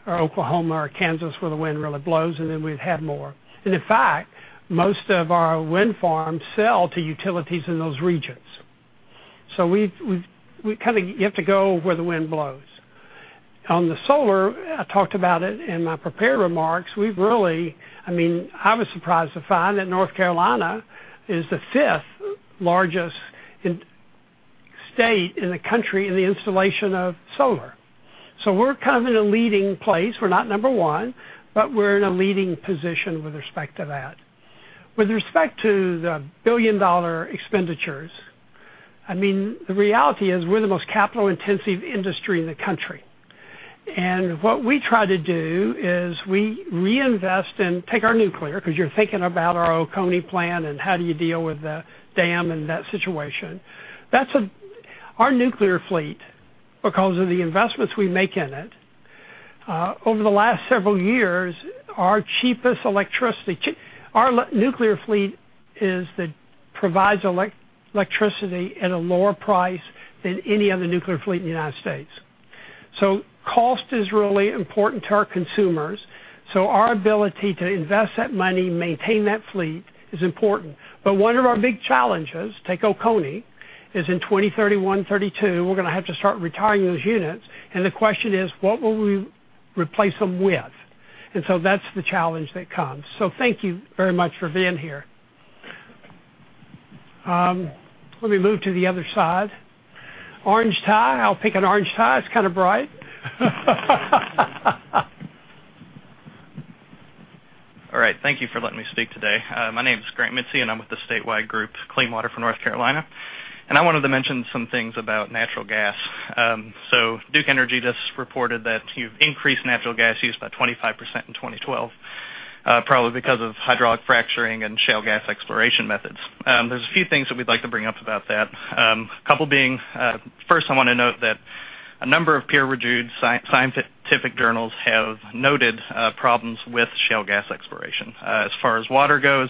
Oklahoma or Kansas where the wind really blows, and then we'd have more. In fact, most of our wind farms sell to utilities in those regions. You have to go where the wind blows. On the solar, I talked about it in my prepared remarks, I was surprised to find that North Carolina is the 5th largest state in the country in the installation of solar. We're in a leading place. We're not number one, but we're in a leading position with respect to that. With respect to the billion-dollar expenditures, the reality is we're the most capital-intensive industry in the country. What we try to do is we reinvest and take our nuclear, because you're thinking about our Oconee Plant and how do you deal with the dam and that situation. Our nuclear fleet, because of the investments we make in it, over the last several years, our cheapest electricity. Our nuclear fleet provides electricity at a lower price than any other nuclear fleet in the U.S. Cost is really important to our consumers. Our ability to invest that money, maintain that fleet is important. One of our big challenges, take Oconee, is in 2031, 2032, we're going to have to start retiring those units, and the question is, what will we replace them with? That's the challenge that comes. Thank you very much for being here. Let me move to the other side. Orange tie. I'll pick an orange tie. It's kind of bright. All right. Thank you for letting me speak today. My name is Grant Mizell, and I'm with the statewide group, Clean Water for North Carolina. I wanted to mention some things about natural gas. Duke Energy just reported that you've increased natural gas use by 25% in 2012, probably because of hydraulic fracturing and shale gas exploration methods. There's a few things that we'd like to bring up about that. A couple being, first, I want to note that a number of peer-reviewed scientific journals have noted problems with shale gas exploration. As far as water goes,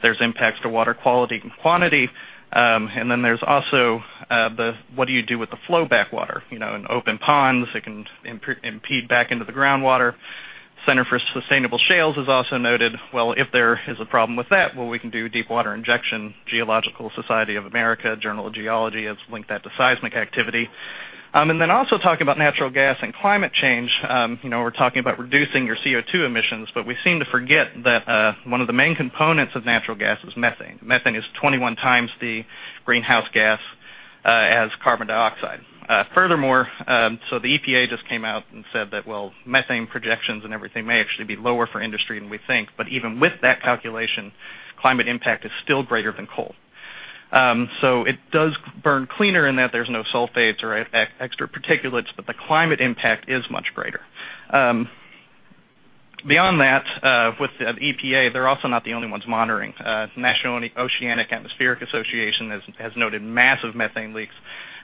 there's impacts to water quality and quantity, and then there's also the what do you do with the flowback water? In open ponds, it can seep back into the groundwater. Center for Sustainable Shale Development has also noted, if there is a problem with that, we can do deep water injection. Geological Society of America, Journal of Geology, has linked that to seismic activity. Also talking about natural gas and climate change, we're talking about reducing your CO2 emissions, but we seem to forget that one of the main components of natural gas is methane. Methane is 21 times the greenhouse gas as carbon dioxide. Furthermore, the EPA just came out and said that methane projections and everything may actually be lower for industry than we think. Even with that calculation, climate impact is still greater than coal. It does burn cleaner in that there's no SOx or extra particulates, but the climate impact is much greater. Beyond that, with the EPA, they're also not the only ones monitoring. National Oceanic and Atmospheric Administration has noted massive methane leaks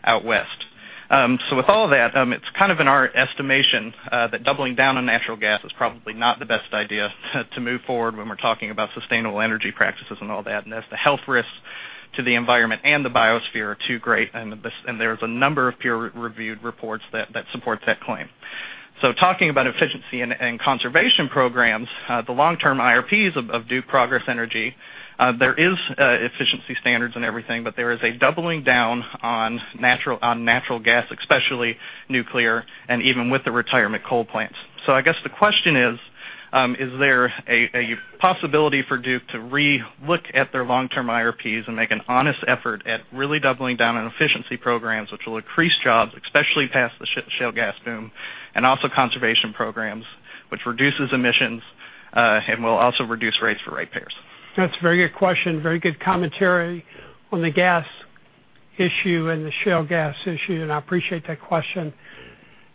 out west. With all of that, it's in our estimation, that doubling down on natural gas is probably not the best idea to move forward when we're talking about sustainable energy practices and all that, and as the health risks to the environment and the biosphere are too great, and there's a number of peer-reviewed reports that support that claim. Talking about efficiency and conservation programs, the long-term IRPs of Duke Energy Progress. There are efficiency standards and everything, there is a doubling down on natural gas, especially nuclear, and even with the retirement coal plants. I guess the question is: Is there a possibility for Duke to relook at their long-term IRPs and make an honest effort at really doubling down on efficiency programs, which will increase jobs, especially past the shale gas boom, and also conservation programs, which reduce emissions, and will also reduce rates for ratepayers? That's a very good question, very good commentary on the gas issue and the shale gas issue, and I appreciate that question.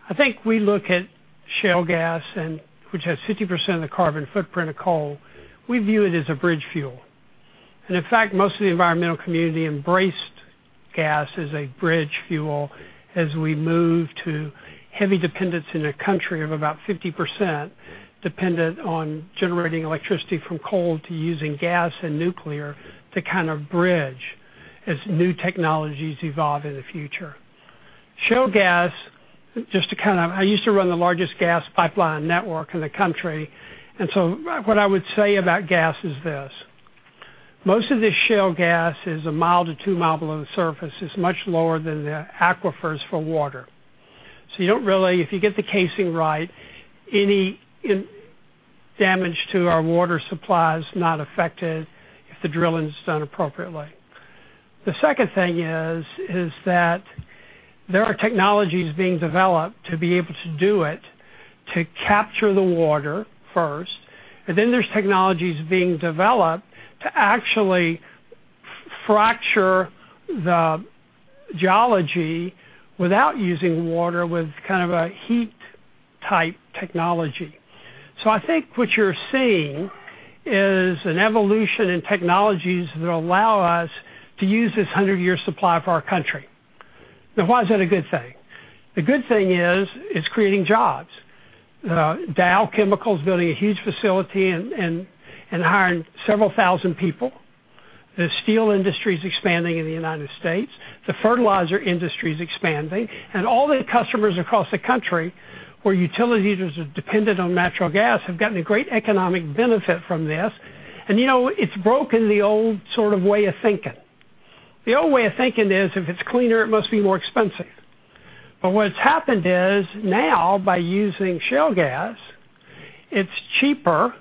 I think we look at shale gas, which has 50% of the carbon footprint of coal, we view it as a bridge fuel. In fact, most of the environmental community embraced gas as a bridge fuel as we move to heavy dependence in a country of about 50% dependent on generating electricity from coal to using gas and nuclear to kind of bridge as new technologies evolve in the future. Shale gas, I used to run the largest gas pipeline network in the country, what I would say about gas is this: Most of the shale gas is one mile to 2 miles below the surface. It's much lower than the aquifers for water. If you get the casing right, any damage to our water supply is not affected if the drilling is done appropriately. The second thing is that there are technologies being developed to be able to do it, to capture the water first, then there's technologies being developed to actually fracture the geology without using water with kind of a heat-type technology. I think what you're seeing is an evolution in technologies that allow us to use this 100-year supply for our country. Now, why is that a good thing? The good thing is it's creating jobs. Dow Chemical's building a huge facility and hiring several thousand people. The steel industry is expanding in the U.S. The fertilizer industry is expanding. All the customers across the country, where utility users are dependent on natural gas, have gotten a great economic benefit from this. It's broken the old way of thinking. The old way of thinking is, if it's cleaner, it must be more expensive. What's happened is now, by using shale gas, it's cheaper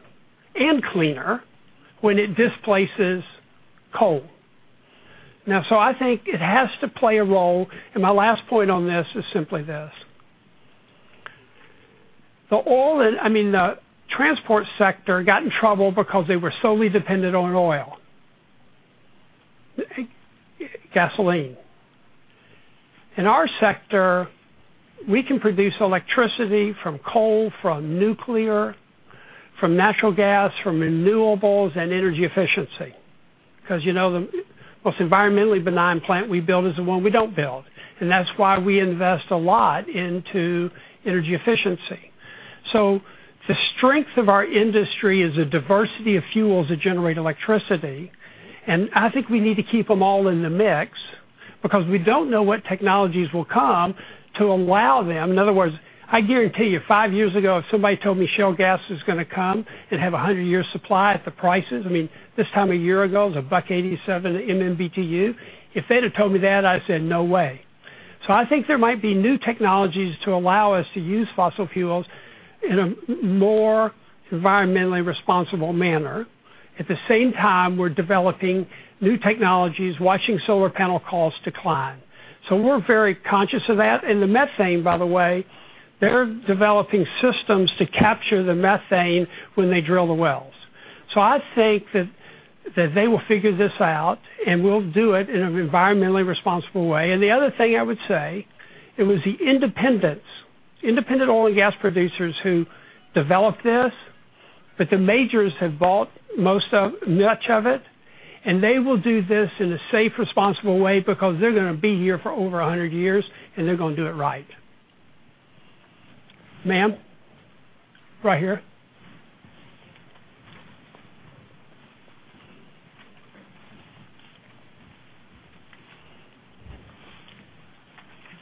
and cleaner when it displaces coal. I think it has to play a role, and my last point on this is simply this. The transport sector got in trouble because they were solely dependent on oil. Gasoline. In our sector, we can produce electricity from coal, from nuclear, from natural gas, from renewables, and energy efficiency. Because the most environmentally benign plant we build is the one we don't build, and that's why we invest a lot into energy efficiency. The strength of our industry is the diversity of fuels that generate electricity, and I think we need to keep them all in the mix because we don't know what technologies will come to allow them. In other words, I guarantee you, five years ago, if somebody told me shale gas is going to come and have a 100-year supply at the prices, this time a year ago, it was a $1.87 MMBTU. If they'd have told me that, I'd said, "No way." I think there might be new technologies to allow us to use fossil fuels in a more environmentally responsible manner. At the same time, we're developing new technologies, watching solar panel costs decline. We're very conscious of that. The methane, by the way, they're developing systems to capture the methane when they drill the wells. I think that they will figure this out and we'll do it in an environmentally responsible way. The other thing I would say, it was the independents, independent oil and gas producers who developed this, but the majors have bought much of it, and they will do this in a safe, responsible way because they're going to be here for over 100 years, and they're going to do it right. Ma'am, right here.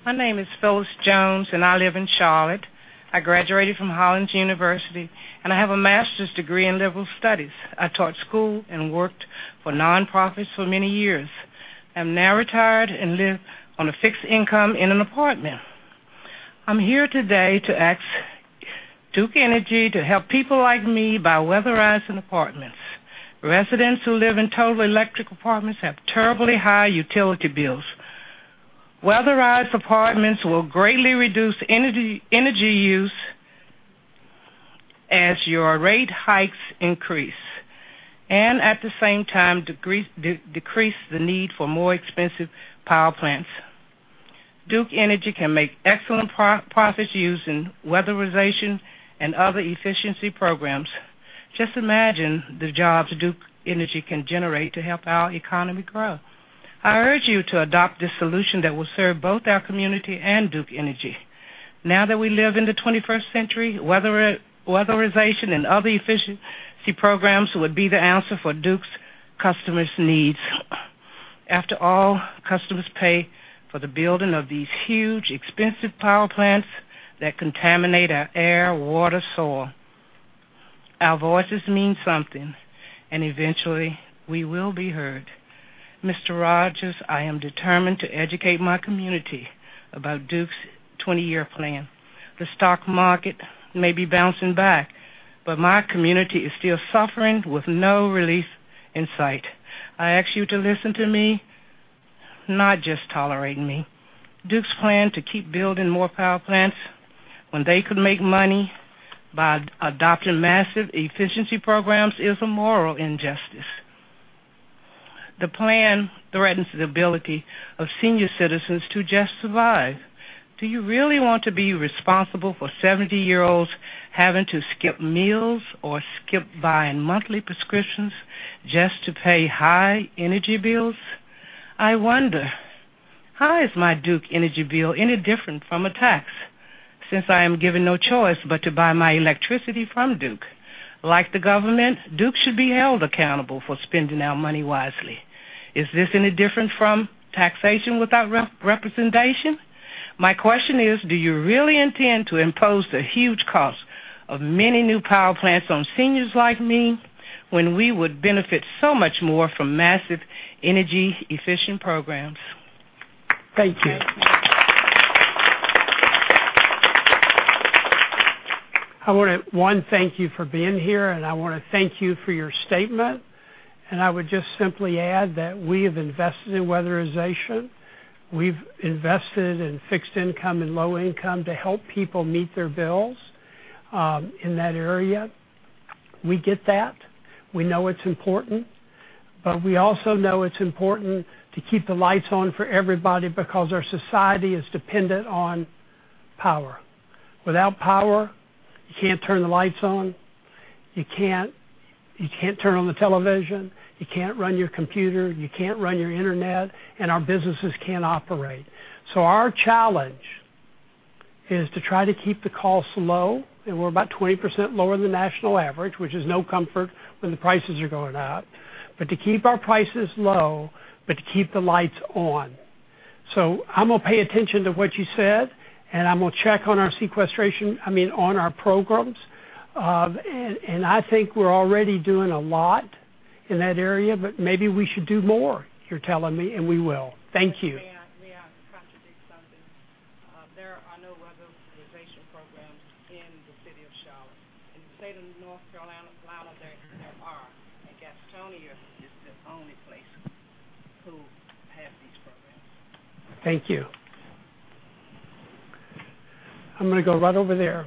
My name is Phyllis Jones, and I live in Charlotte. I graduated from Hollins University, and I have a master's degree in liberal studies. I taught school and worked for non-profits for many years. I'm now retired and live on a fixed income in an apartment. I'm here today to ask Duke Energy to help people like me by weatherizing apartments. Residents who live in total electric apartments have terribly high utility bills. Weatherized apartments will greatly reduce energy use as your rate hikes increase, and at the same time, decrease the need for more expensive power plants. Duke Energy can make excellent profits using weatherization and other efficiency programs. Just imagine the jobs Duke Energy can generate to help our economy grow. I urge you to adopt this solution that will serve both our community and Duke Energy. Now that we live in the 21st century, weatherization and other efficiency programs would be the answer for Duke's customers' needs. After all, customers pay for the building of these huge, expensive power plants that contaminate our air, water, soil. Our voices mean something, and eventually, we will be heard. Mr. Rogers, I am determined to educate my community about Duke's 20-year plan. The stock market may be bouncing back, but my community is still suffering with no relief in sight. I ask you to listen to me, not just tolerate me. Duke's plan to keep building more power plants when they could make money by adopting massive efficiency programs is a moral injustice. The plan threatens the ability of senior citizens to just survive. Do you really want to be responsible for 70-year-olds having to skip meals or skip buying monthly prescriptions just to pay high energy bills? I wonder, how is my Duke Energy bill any different from a tax since I am given no choice but to buy my electricity from Duke? Like the government, Duke should be held accountable for spending our money wisely. Is this any different from taxation without representation? My question is, do you really intend to impose the huge cost of many new power plants on seniors like me when we would benefit so much more from massive energy-efficient programs? Thank you. I want to, one, thank you for being here, I want to thank you for your statement. I would just simply add that we have invested in weatherization. We've invested in fixed income and low income to help people meet their bills in that area. We get that. We know it's important. We also know it's important to keep the lights on for everybody because our society is dependent on power. Without power, you can't turn the lights on. You can't turn on the television. You can't run your computer. You can't run your internet. Our businesses can't operate. Our challenge is to try to keep the costs low, and we're about 20% lower than the national average, which is no comfort when the prices are going up. To keep our prices low, to keep the lights on. I'm going to pay attention to what you said, I'm going to check on our sequestration, I mean, on our programs. I think we're already doing a lot in that area, maybe we should do more, you're telling me, we will. Thank you. May I contradict something? There are no weatherization programs in the city of Charlotte. In the state of North Carolina, there are, and Gastonia is the only place who have these programs. Thank you. I'm gonna go right over there.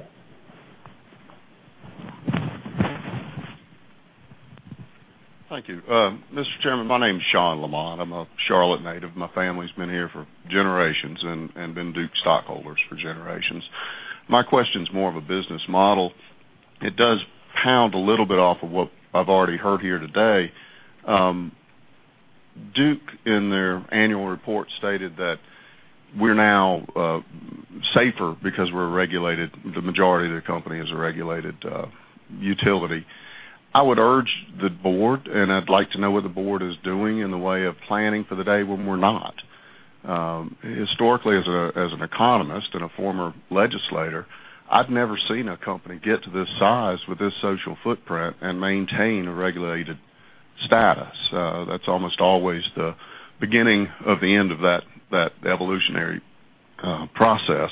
Thank you. Mr. Chairman, my name's Sean Lamont. I'm a Charlotte native. My family's been here for generations and been Duke stockholders for generations. My question's more of a business model. It does pound a little bit off of what I've already heard here today. Duke, in their annual report, stated that we're now safer because we're a regulated, the majority of the company is a regulated utility. I would urge the board, and I'd like to know what the board is doing in the way of planning for the day when we're not. Historically, as an economist and a former legislator, I've never seen a company get to this size with this social footprint and maintain a regulated status. That's almost always the beginning of the end of that evolutionary process.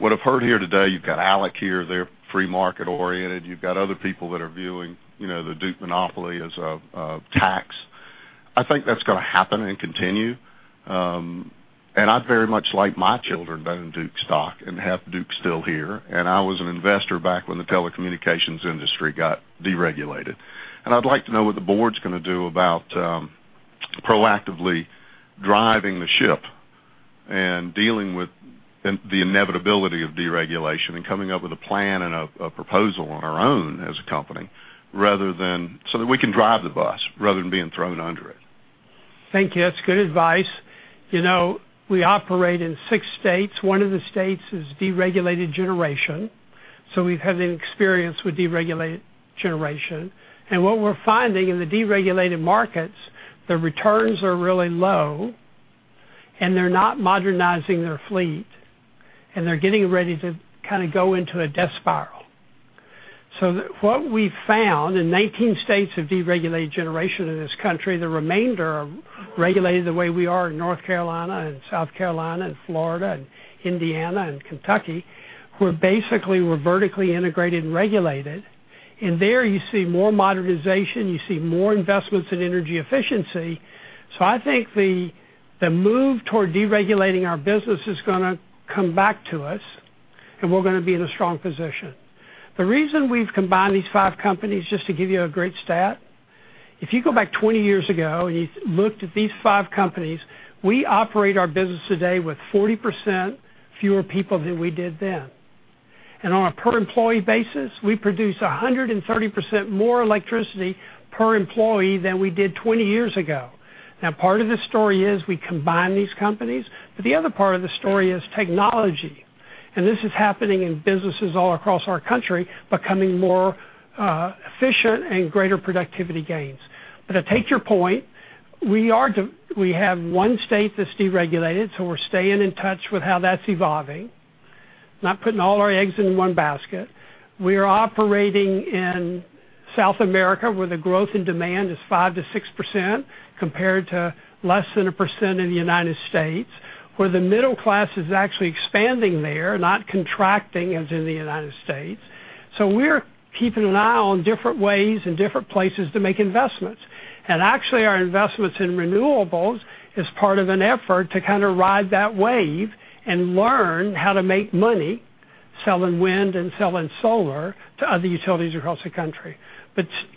What I've heard here today, you've got ALEC here, they're free market-oriented. You've got other people that are viewing the Duke monopoly as a tax. I think that's gonna happen and continue. I'd very much like my children to own Duke stock and have Duke still here. I was an investor back when the telecommunications industry got deregulated. I'd like to know what the board's gonna do about proactively driving the ship and dealing with the inevitability of deregulation and coming up with a plan and a proposal on our own as a company so that we can drive the bus rather than being thrown under it. Thank you. That's good advice. We operate in 6 states. One of the states is deregulated generation, so we've had an experience with deregulated generation. What we're finding in the deregulated markets, the returns are really low and they're not modernizing their fleet, and they're getting ready to kind of go into a death spiral. What we've found in 19 states of deregulated generation in this country, the remainder are regulated the way we are in North Carolina and South Carolina and Florida and Indiana and Kentucky, where basically, we're vertically integrated and regulated. There you see more modernization, you see more investments in energy efficiency. I think the move toward deregulating our business is going to come back to us, and we're going to be in a strong position. The reason we've combined these 5 companies, just to give you a great stat, if you go back 20 years ago, and you looked at these 5 companies, we operate our business today with 40% fewer people than we did then. On a per-employee basis, we produce 130% more electricity per employee than we did 20 years ago. Now, part of the story is we combined these companies, but the other part of the story is technology. This is happening in businesses all across our country, becoming more efficient and greater productivity gains. To take your point, we have 1 state that's deregulated, so we're staying in touch with how that's evolving, not putting all our eggs in one basket. We are operating in South America, where the growth and demand is 5%-6%, compared to less than a percent in the U.S., where the middle class is actually expanding there, not contracting as in the U.S. We're keeping an eye on different ways and different places to make investments. Actually, our investments in renewables is part of an effort to kind of ride that wave and learn how to make money selling wind and selling solar to other utilities across the country.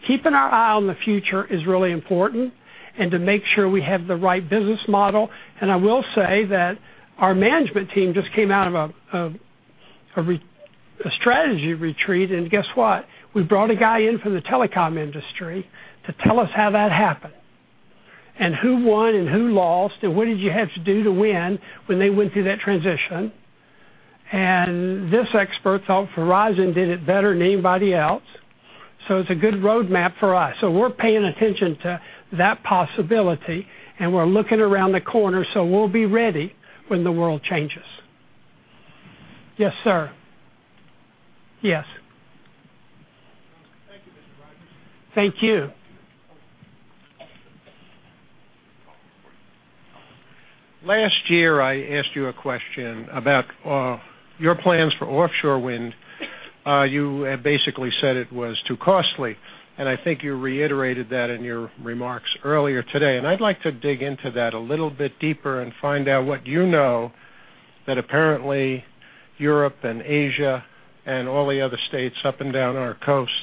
Keeping our eye on the future is really important and to make sure we have the right business model. I will say that our management team just came out of a strategy retreat, and guess what? We brought a guy in from the telecom industry to tell us how that happened and who won and who lost, and what did you have to do to win when they went through that transition. This expert thought Verizon did it better than anybody else. It's a good roadmap for us. We're paying attention to that possibility, and we're looking around the corner, so we'll be ready when the world changes. Yes, sir. Yes. Thank you, Mr. Rogers. Thank you. Last year, I asked you a question about your plans for offshore wind. You basically said it was too costly, and I think you reiterated that in your remarks earlier today. I'd like to dig into that a little bit deeper and find out what you know that apparently Europe and Asia and all the other states up and down our coast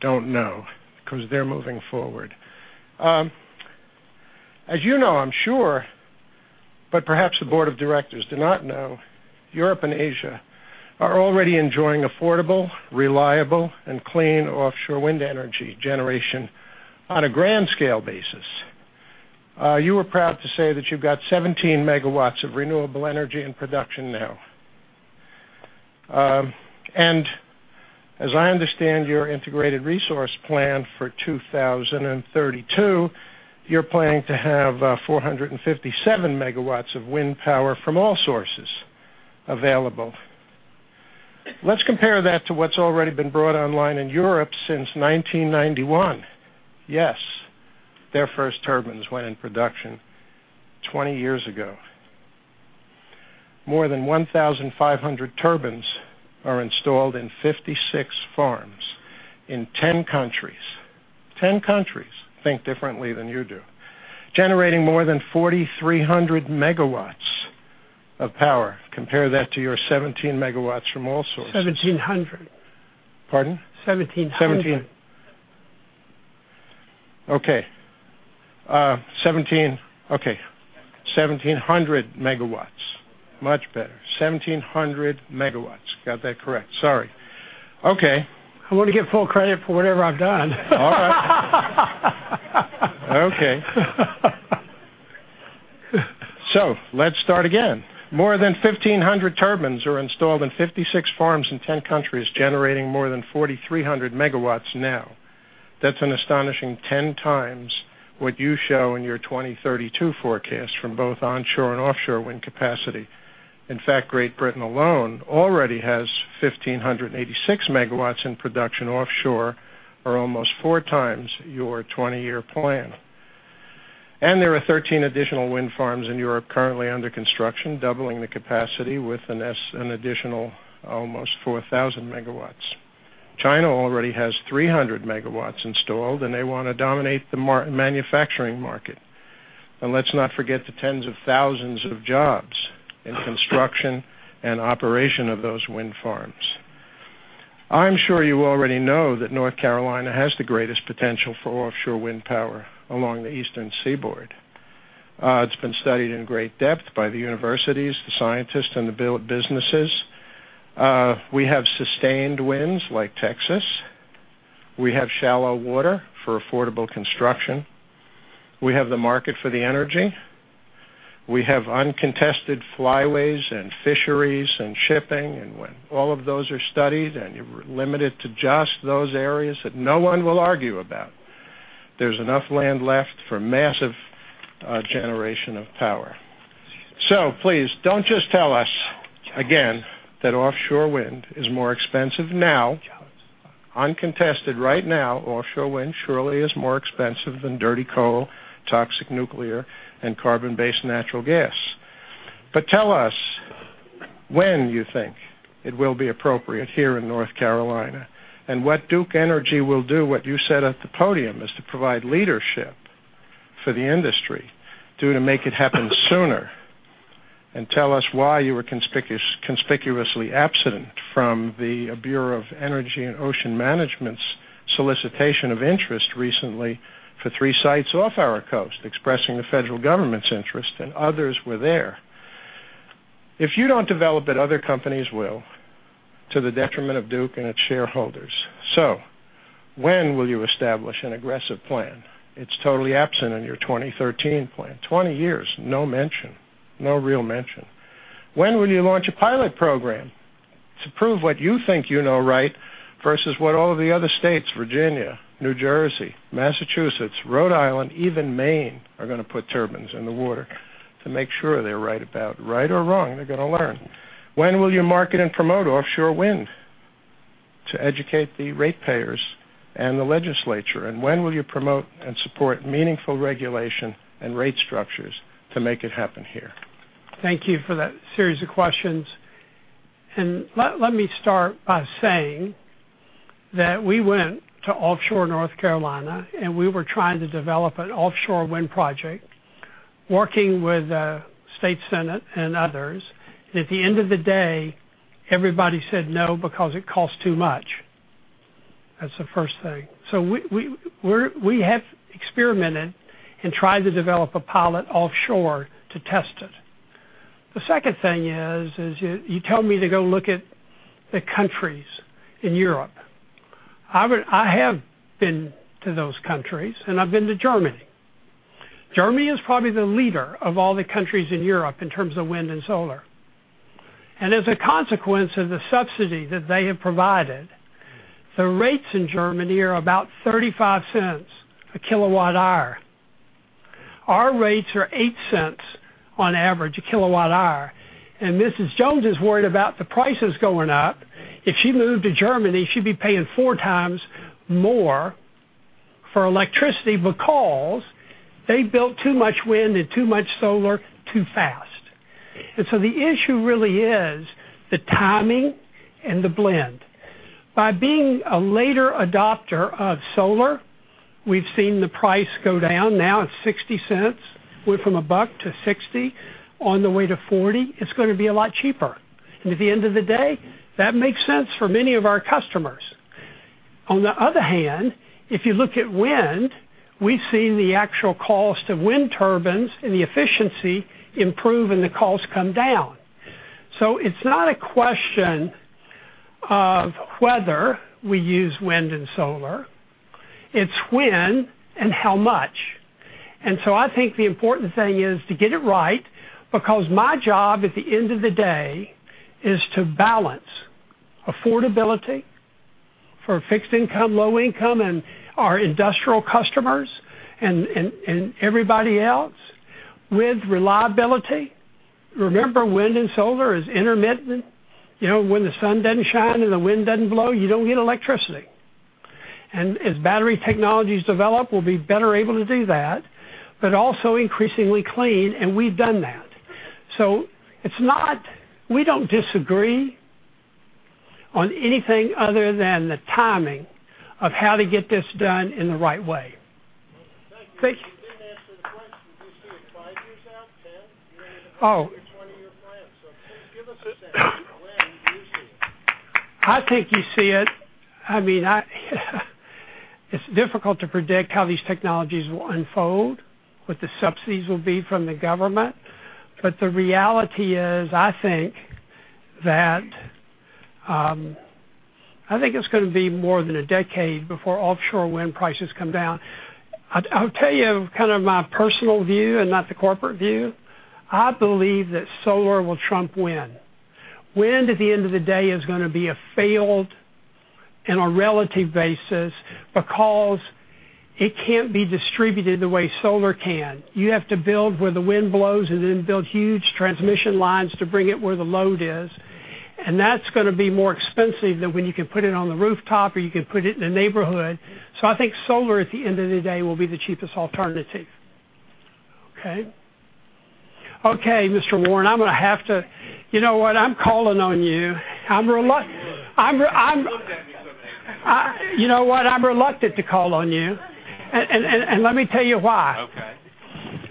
don't know, because they're moving forward. As you know, I'm sure, but perhaps the board of directors do not know, Europe and Asia are already enjoying affordable, reliable, and clean offshore wind energy generation on a grand scale basis. You were proud to say that you've got 17 megawatts of renewable energy in production now. As I understand your integrated resource plan for 2032, you're planning to have 457 megawatts of wind power from all sources available. Let's compare that to what's already been brought online in Europe since 1991. Yes, their first turbines went in production 20 years ago. More than 1,500 turbines are installed in 56 farms in 10 countries. Ten countries think differently than you do. Generating more than 4,300 megawatts of power. Compare that to your 17 megawatts from all sources. 1,700. Pardon? 1,700. Okay. 17. Okay. 1,700 megawatts. Much better. 1,700 megawatts. Got that correct. Sorry. Okay. I want to get full credit for whatever I've done. Let's start again. More than 1,500 turbines are installed in 56 farms in 10 countries, generating more than 4,300 megawatts now. That's an astonishing 10 times what you show in your 2032 forecast from both onshore and offshore wind capacity. In fact, Great Britain alone already has 1,586 megawatts in production offshore or almost four times your 20-year plan. There are 13 additional wind farms in Europe currently under construction, doubling the capacity with an additional almost 4,000 megawatts. China already has 300 megawatts installed, and they want to dominate the manufacturing market. Let's not forget the tens of thousands of jobs in construction and operation of those wind farms. I'm sure you already know that North Carolina has the greatest potential for offshore wind power along the Eastern Seaboard. It's been studied in great depth by the universities, the scientists, and the businesses. We have sustained winds like Texas. We have shallow water for affordable construction. We have the market for the energy. We have uncontested flyways and fisheries and shipping. When all of those are studied and you're limited to just those areas that no one will argue about, there's enough land left for massive generation of power. Please don't just tell us again that offshore wind is more expensive now. Uncontested right now, offshore wind surely is more expensive than dirty coal, toxic nuclear, and carbon-based natural gas. Tell us when you think it will be appropriate here in North Carolina and what Duke Energy will do, what you said at the podium, is to provide leadership for the industry. Do to make it happen sooner, tell us why you were conspicuously absent from the Bureau of Ocean Energy Management's solicitation of interest recently for three sites off our coast, expressing the federal government's interest. Others were there. If you don't develop it, other companies will. To the detriment of Duke and its shareholders. When will you establish an aggressive plan? It's totally absent in your 2013 plan. 20 years, no mention, no real mention. When will you launch a pilot program to prove what you think you know, right, versus what all of the other states, Virginia, New Jersey, Massachusetts, Rhode Island, even Maine, are going to put turbines in the water to make sure they're right about. Right or wrong, they're going to learn. When will you market and promote offshore wind to educate the ratepayers and the legislature? When will you promote and support meaningful regulation and rate structures to make it happen here? Thank you for that series of questions. Let me start by saying that we went to offshore North Carolina, and we were trying to develop an offshore wind project working with the state senate and others. At the end of the day, everybody said no, because it cost too much. That's the first thing. We have experimented and tried to develop a pilot offshore to test it. The second thing is, you tell me to go look at the countries in Europe. I have been to those countries, and I've been to Germany. Germany is probably the leader of all the countries in Europe in terms of wind and solar. As a consequence of the subsidy that they have provided, the rates in Germany are about $0.35 a kilowatt hour. Our rates are $0.08 on average a kilowatt hour. Mrs. Jones is worried about the prices going up. If she moved to Germany, she'd be paying four times more for electricity because they built too much wind and too much solar too fast. The issue really is the timing and the blend. By being a later adopter of solar, we've seen the price go down. Now it's $0.60. Went from $1.00 to $0.60 on the way to $0.40. It's going to be a lot cheaper. At the end of the day, that makes sense for many of our customers. On the other hand, if you look at wind, we've seen the actual cost of wind turbines and the efficiency improve and the cost come down. It's not a question of whether we use wind and solar, it's when and how much. I think the important thing is to get it right, because my job at the end of the day is to balance affordability for fixed income, low income, and our industrial customers and everybody else with reliability. Remember, wind and solar is intermittent. When the sun doesn't shine and the wind doesn't blow, you don't get electricity. As battery technologies develop, we'll be better able to do that, but also increasingly clean. We've done that. We don't disagree on anything other than the timing of how to get this done in the right way. Thank you. You didn't answer the question. Do you see it five years out? 10? You haven't given us. Oh A 20-year plan. Please give us a sense. When do you see it? I think you see it. It's difficult to predict how these technologies will unfold, what the subsidies will be from the government. The reality is, I think it's going to be more than a decade before offshore wind prices come down. I'll tell you my personal view and not the corporate view. I believe that solar will trump wind. Wind, at the end of the day, is going to be a failed on a relative basis because it can't be distributed the way solar can. You have to build where the wind blows and then build huge transmission lines to bring it where the load is, and that's going to be more expensive than when you can put it on the rooftop or you can put it in the neighborhood. I think solar, at the end of the day, will be the cheapest alternative. Okay. Okay, Mr. Warren, I'm going to have to You know what? You looked at me funny. You know what? I'm reluctant to call on you. Let me tell you why. Okay.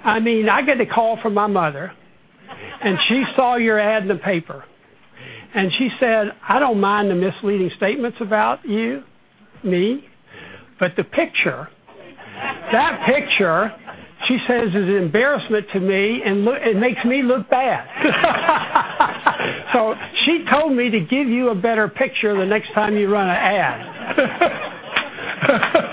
I get a call from my mother. She saw your ad in the paper. She said, "I don't mind the misleading statements about you, me, but the picture." "That picture," she says, "is an embarrassment to me, and it makes me look bad." She told me to give you a better picture the next time you run an ad.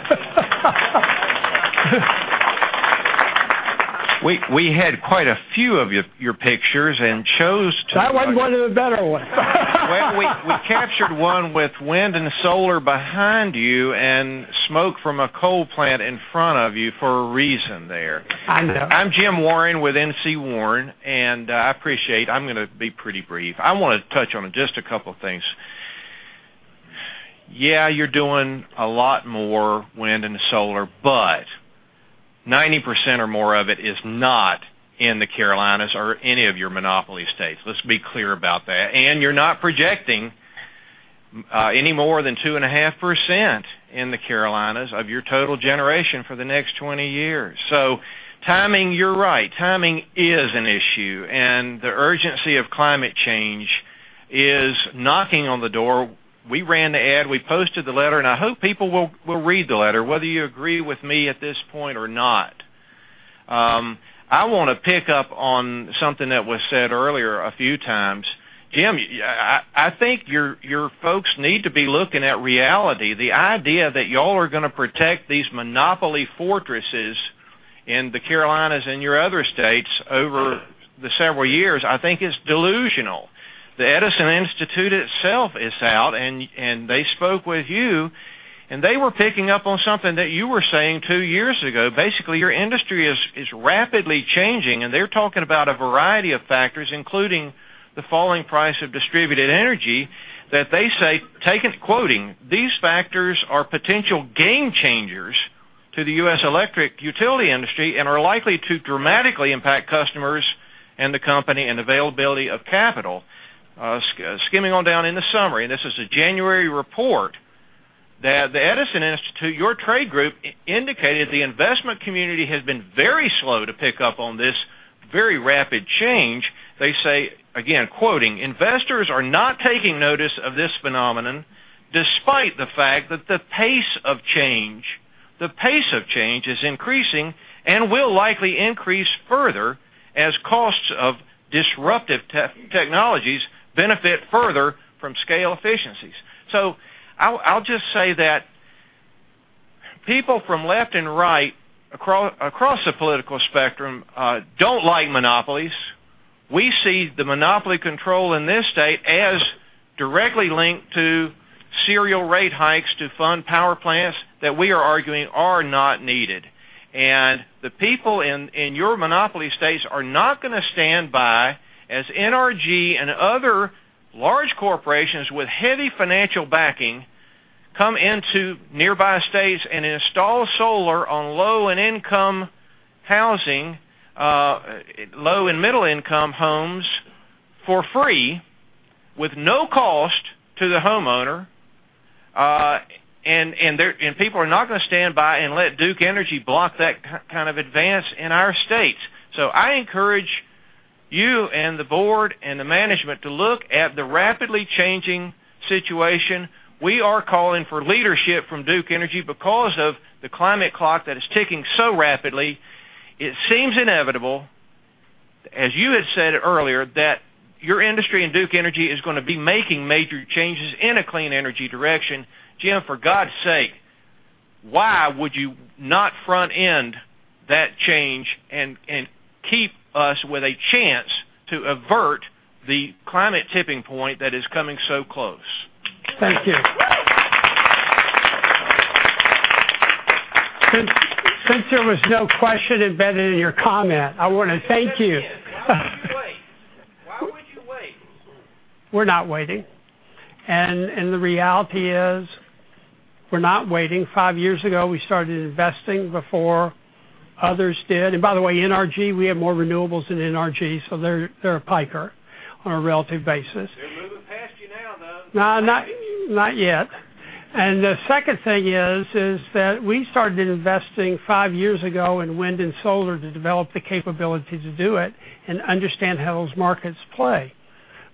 We had quite a few of your pictures and chose to. That wasn't one of the better ones. Well, we captured one with wind and solar behind you and smoke from a coal plant in front of you for a reason there. I know. I'm Jim Warren with NC WARN. I appreciate. I'm going to be pretty brief. I want to touch on just a couple of things. You're doing a lot more wind and solar, but 90% or more of it is not in the Carolinas or any of your monopoly states. Let's be clear about that. You're not projecting any more than 2.5% in the Carolinas of your total generation for the next 20 years. Timing, you're right. Timing is an issue. The urgency of climate change is knocking on the door. We ran the ad, we posted the letter. I hope people will read the letter, whether you agree with me at this point or not. I want to pick up on something that was said earlier a few times. Jim, I think your folks need to be looking at reality. The idea that you all are going to protect these monopoly fortresses in the Carolinas and your other states over the several years, I think is delusional. The Edison Electric Institute itself is out. They spoke with you. They were picking up on something that you were saying two years ago. Your industry is rapidly changing. They're talking about a variety of factors, including the falling price of distributed energy, that they say, quoting, "These factors are potential game changers to the U.S. electric utility industry and are likely to dramatically impact customers and the company and availability of capital." Skimming on down in the summary, this is a January report, that the Edison Electric Institute, your trade group, indicated the investment community has been very slow to pick up on this very rapid change. They say, again quoting, "Investors are not taking notice of this phenomenon despite the fact that the pace of change is increasing and will likely increase further as costs of disruptive technologies benefit further from scale efficiencies." I'll just say that people from left and right across the political spectrum don't like monopolies. We see the monopoly control in this state as directly linked to serial rate hikes to fund power plants that we are arguing are not needed. The people in your monopoly states are not going to stand by as NRG and other large corporations with heavy financial backing come into nearby states and install solar on low and middle-income homes for free with no cost to the homeowner. People are not going to stand by and let Duke Energy block that kind of advance in our states. I encourage you and the board and the management to look at the rapidly changing situation. We are calling for leadership from Duke Energy because of the climate clock that is ticking so rapidly. It seems inevitable, as you had said earlier, that your industry and Duke Energy is going to be making major changes in a clean energy direction. Jim, for God's sake, why would you not front end that change and keep us with a chance to avert the climate tipping point that is coming so close? Thank you. Since there was no question embedded in your comment, I want to thank you. Let me ask again. Why would you wait? We're not waiting. The reality is, we're not waiting. Five years ago, we started investing before others did. By the way, NRG, we have more renewables than NRG, so they're a piker on a relative basis. They're moving past you now, though. Not yet. The second thing is that we started investing 5 years ago in wind and solar to develop the capability to do it and understand how those markets play.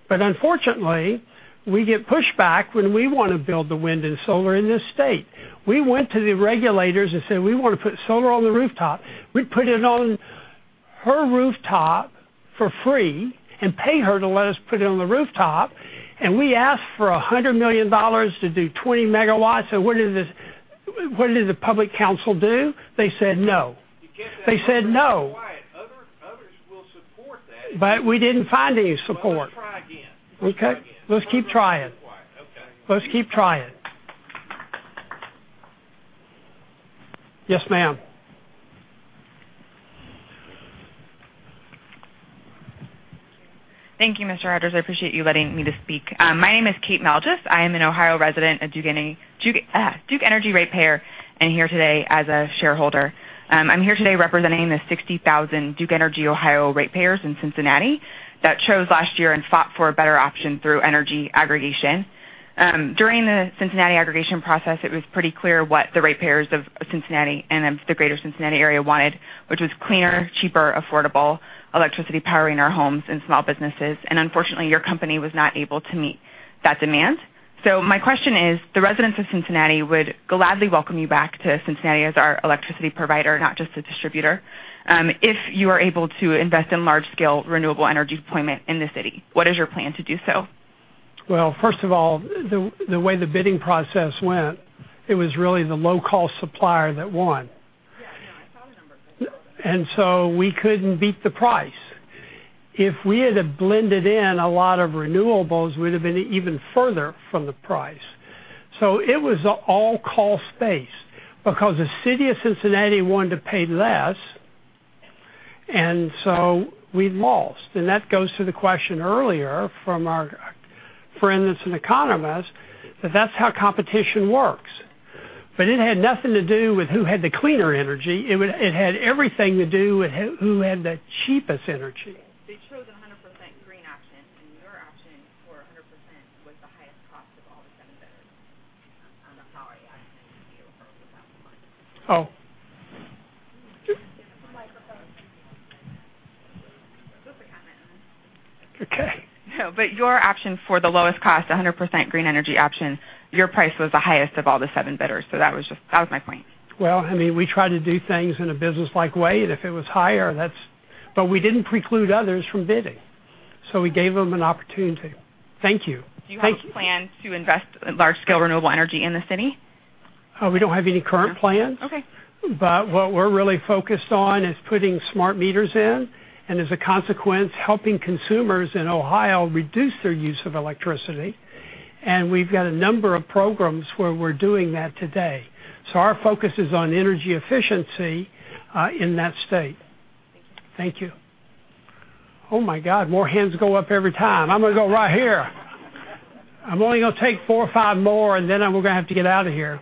Unfortunately, we get pushback when we want to build the wind and solar in this state. We went to the regulators and said, "We want to put solar on the rooftop." We'd put it on her rooftop for free and pay her to let us put it on the rooftop, and we asked for $100 million to do 20 megawatts. What did the public council do? They said no. You get that. They said no. Others will support that. We didn't find any support. Well, try again. Okay. Let's keep trying. Okay. Let's keep trying. Yes, ma'am. Thank you, Mr. Rogers. I appreciate you letting me to speak. My name is Kate Malgis. I am an Ohio resident, a Duke Energy ratepayer, and here today as a shareholder. I'm here today representing the 60,000 Duke Energy Ohio ratepayers in Cincinnati that chose last year and fought for a better option through energy aggregation. During the Cincinnati aggregation process, it was pretty clear what the ratepayers of Cincinnati and the greater Cincinnati area wanted, which was cleaner, cheaper, affordable electricity powering our homes and small businesses. Unfortunately, your company was not able to meet that demand. My question is, the residents of Cincinnati would gladly welcome you back to Cincinnati as our electricity provider, not just a distributor. If you are able to invest in large-scale renewable energy deployment in the city, what is your plan to do so? Well, first of all, the way the bidding process went, it was really the low-cost supplier that won. Yeah, I know. I saw the numbers. We couldn't beat the price. If we had to blend it in a lot of renewables, we'd have been even further from the price. It was all cost-based because the city of Cincinnati wanted to pay less, we lost. That goes to the question earlier from our friend that's an economist, that that's how competition works. It had nothing to do with who had the cleaner energy. It had everything to do with who had the cheapest energy. They chose 100% green option, your action for 100% was the highest cost of all the competitors on the power auction to you for over the past month. Oh. Microphone Those are comments. Okay. No, your option for the lowest cost, 100% green energy option, your price was the highest of all the seven bidders. That was my point. Well, we try to do things in a business-like way. If it was higher, we didn't preclude others from bidding. We gave them an opportunity. Thank you. Do you have plans to invest in large-scale renewable energy in the city? We don't have any current plans. Okay. What we're really focused on is putting smart meters in, and as a consequence, helping consumers in Ohio reduce their use of electricity. We've got a number of programs where we're doing that today. Our focus is on energy efficiency in that state. Thank you. Thank you. Oh, my God, more hands go up every time. I'm going to go right here. I'm only going to take four or five more, and then I'm going to have to get out of here.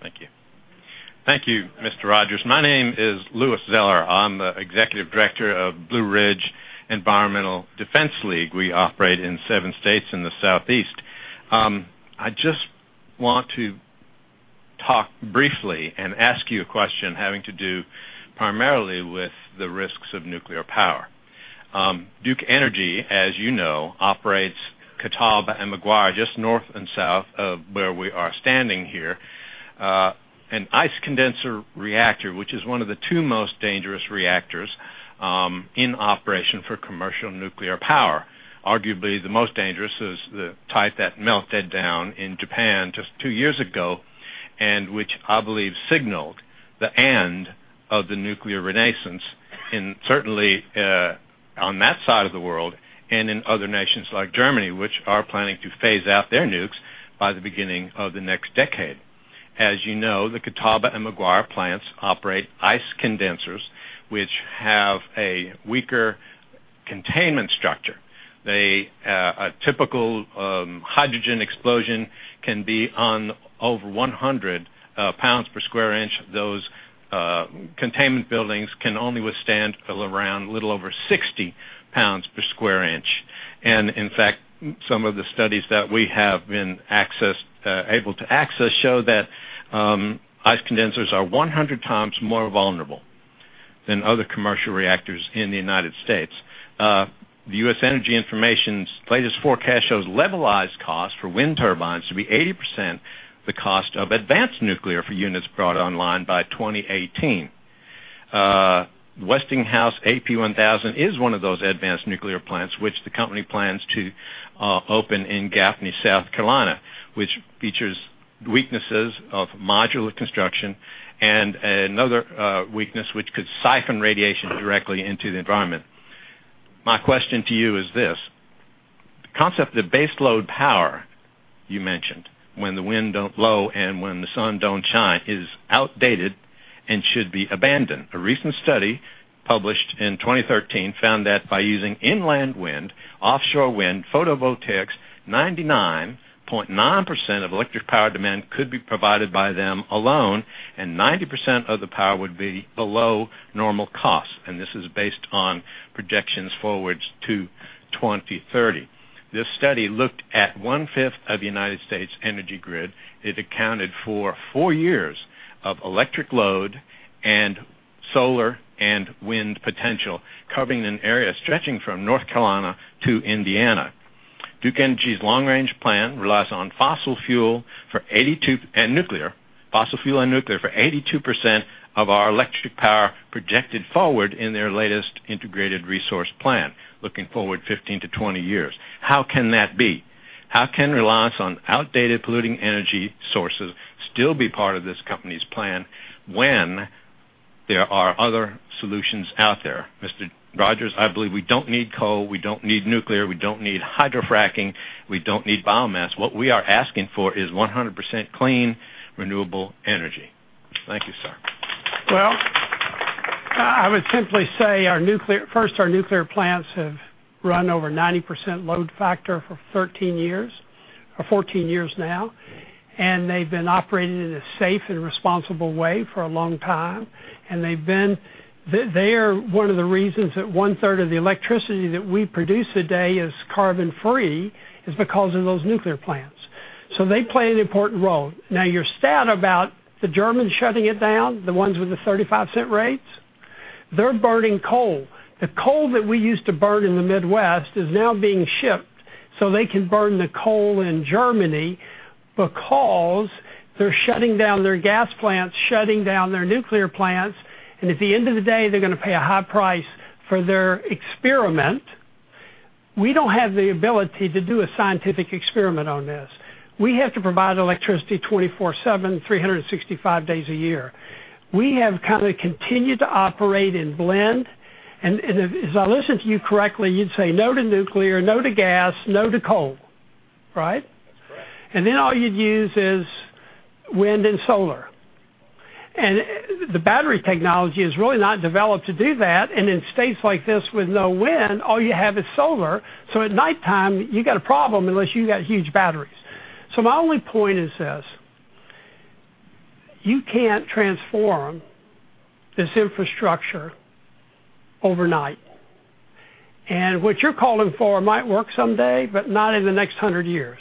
Thank you. Thank you, Mr. Rogers. My name is Louis Zeller. I'm the Executive Director of Blue Ridge Environmental Defense League. We operate in seven states in the Southeast. I just want to talk briefly and ask you a question having to do primarily with the risks of nuclear power. Duke Energy, as you know, operates Catawba and McGuire, just north and south of where we are standing here. An ice condenser reactor, which is one of the two most dangerous reactors in operation for commercial nuclear power. Arguably, the most dangerous is the type that melted down in Japan just two years ago, and which I believe signaled the end of the nuclear renaissance, and certainly on that side of the world, and in other nations like Germany, which are planning to phase out their nukes by the beginning of the next decade. As you know, the Catawba and McGuire plants operate ice condensers, which have a weaker containment structure. A typical hydrogen explosion can be over 100 pounds per square inch. Those containment buildings can only withstand a little over 60 pounds per square inch. In fact, some of the studies that we have been able to access show that ice condensers are 100 times more vulnerable than other commercial reactors in the U.S. The U.S. Energy Information's latest forecast shows levelized costs for wind turbines to be 80% the cost of advanced nuclear for units brought online by 2018. Westinghouse AP1000 is one of those advanced nuclear plants which the company plans to open in Gaffney, South Carolina, which features weaknesses of modular construction and another weakness which could siphon radiation directly into the environment. My question to you is this, the concept of baseload power you mentioned, when the wind don't blow and when the sun don't shine, is outdated and should be abandoned. A recent study published in 2013 found that by using inland wind, offshore wind, photovoltaics, 99.9% of electric power demand could be provided by them alone, and 90% of the power would be below normal cost, and this is based on projections forwards to 2030. This study looked at one-fifth of the U.S. energy grid. It accounted for four years of electric load and solar and wind potential, covering an area stretching from North Carolina to Indiana. Duke Energy's long-range plan relies on fossil fuel and nuclear, fossil fuel, and nuclear for 82% of our electric power projected forward in their latest integrated resource plan, looking forward 15-20 years. How can that be? How can reliance on outdated polluting energy sources still be part of this company's plan when there are other solutions out there? Mr. Rogers, I believe we don't need coal, we don't need nuclear, we don't need hydrofracking, we don't need biomass. What we are asking for is 100% clean, renewable energy. Thank you, sir. Well, I would simply say, first, our nuclear plants have run over 90% load factor for 13 years or 14 years now, and they've been operating in a safe and responsible way for a long time. They are one of the reasons that one-third of the electricity that we produce today is carbon-free, is because of those nuclear plants. They play an important role. Now, your stat about the Germans shutting it down, the ones with the $0.35 rates, they're burning coal. The coal that we used to burn in the Midwest is now being shipped so they can burn the coal in Germany because they're shutting down their gas plants, shutting down their nuclear plants, at the end of the day, they're going to pay a high price for their experiment. We don't have the ability to do a scientific experiment on this. We have to provide electricity 24/7, 365 days a year. We have kind of continued to operate in blend. If I listen to you correctly, you'd say no to nuclear, no to gas, no to coal. Right? That's correct. All you'd use is wind and solar. The battery technology is really not developed to do that. In states like this with no wind, all you have is solar. At nighttime, you got a problem unless you got huge batteries. My only point is this: you can't transform this infrastructure overnight. What you're calling for might work someday, but not in the next 100 years.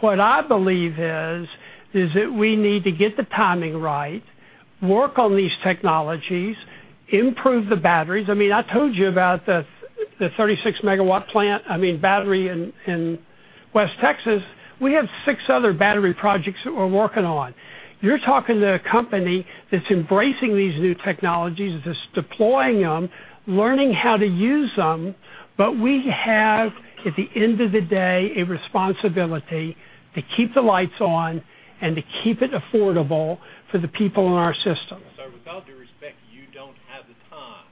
What I believe is that we need to get the timing right, work on these technologies, improve the batteries. I told you about the 36-megawatt battery in West Texas. We have six other battery projects that we're working on. You're talking to a company that's embracing these new technologies, that's deploying them, learning how to use them. We have, at the end of the day, a responsibility to keep the lights on and to keep it affordable for the people in our system. Sir, with all due respect, you don't have the time.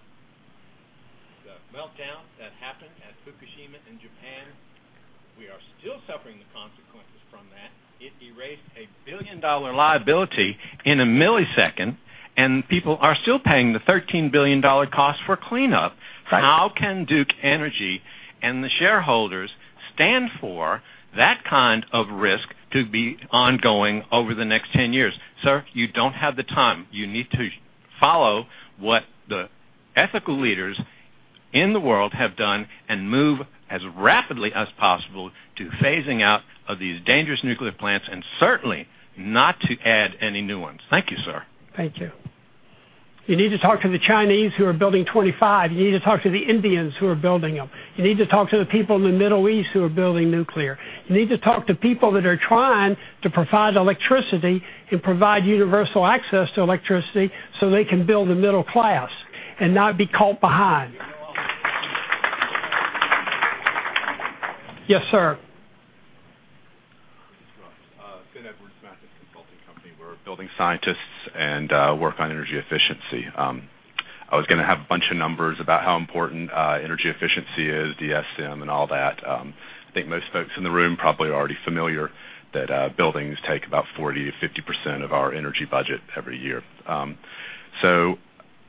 The meltdown that happened at Fukushima in Japan, we are still suffering the consequences from that. It erased a billion-dollar liability in a millisecond, and people are still paying the $13 billion cost for cleanup. Right. How can Duke Energy and the shareholders stand for that kind of risk to be ongoing over the next 10 years? Sir, you don't have the time. You need to follow what the ethical leaders in the world have done and move as rapidly as possible to phasing out of these dangerous nuclear plants, and certainly not to add any new ones. Thank you, sir. Thank you. You need to talk to the Chinese who are building 25. You need to talk to the Indians who are building them. You need to talk to the people in the Middle East who are building nuclear. You need to talk to people that are trying to provide electricity and provide universal access to electricity so they can build a middle class and not be caught behind. Yes, sir. Finn Edwards, Massive Consulting Company. We're building scientists and work on energy efficiency. I was going to have a bunch of numbers about how important energy efficiency is, DSM and all that. I think most folks in the room probably are already familiar that buildings take about 40%-50% of our energy budget every year.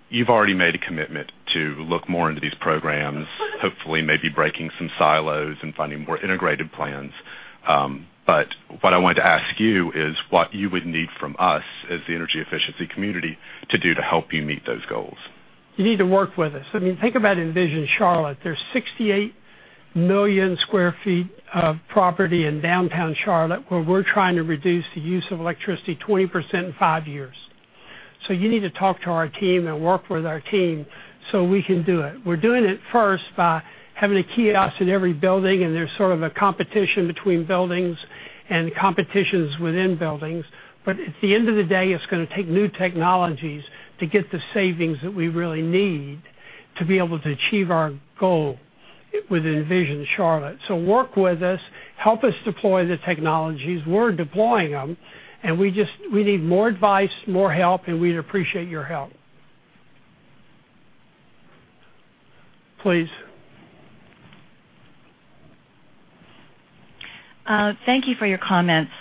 You've already made a commitment to look more into these programs, hopefully maybe breaking some silos and finding more integrated plans. What I wanted to ask you is what you would need from us, as the energy efficiency community, to do to help you meet those goals. You need to work with us. Think about Envision Charlotte. There's 68 million square feet of property in downtown Charlotte, where we're trying to reduce the use of electricity 20% in five years. You need to talk to our team and work with our team so we can do it. We're doing it first by having a kiosk in every building, and there's sort of a competition between buildings and competitions within buildings. At the end of the day, it's going to take new technologies to get the savings that we really need to be able to achieve our goal with Envision Charlotte. Work with us, help us deploy the technologies. We're deploying them, and we need more advice, more help, and we'd appreciate your help. Please. Thank you for your comments.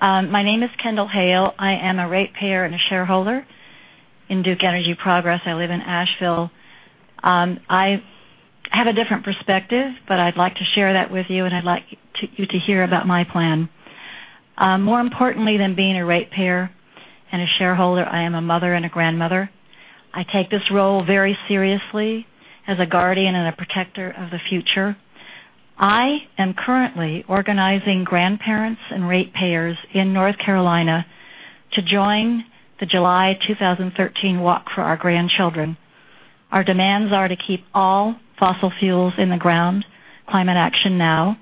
My name is Kendall Hale. I am a ratepayer and a shareholder in Duke Energy Progress. I live in Asheville. I have a different perspective, but I'd like to share that with you, and I'd like you to hear about my plan. More importantly than being a ratepayer and a shareholder, I am a mother and a grandmother. I take this role very seriously as a guardian and a protector of the future. I am currently organizing grandparents and ratepayers in North Carolina to join the July 2013 Walk for Our Grandchildren. Our demands are to keep all fossil fuels in the ground, climate action now.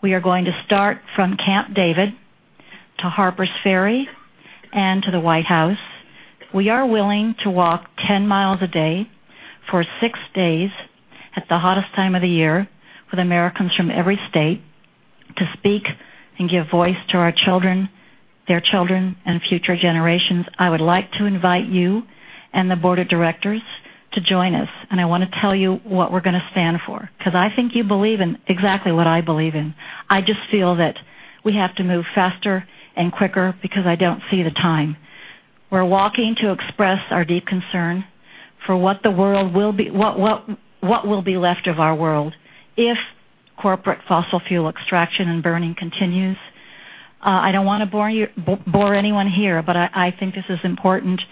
We are going to start from Camp David to Harpers Ferry and to the White House. We are willing to walk 10 miles a day for six days at the hottest time of the year with Americans from every state to speak and give voice to our children, their children, and future generations. I would like to invite you and the board of directors to join us. I want to tell you what we're going to stand for, because I think you believe in exactly what I believe in. I just feel that we have to move faster and quicker because I don't see the time. We're walking to express our deep concern for what will be left of our world if corporate fossil fuel extraction and burning continues. I don't want to bore anyone here, but I think this is important.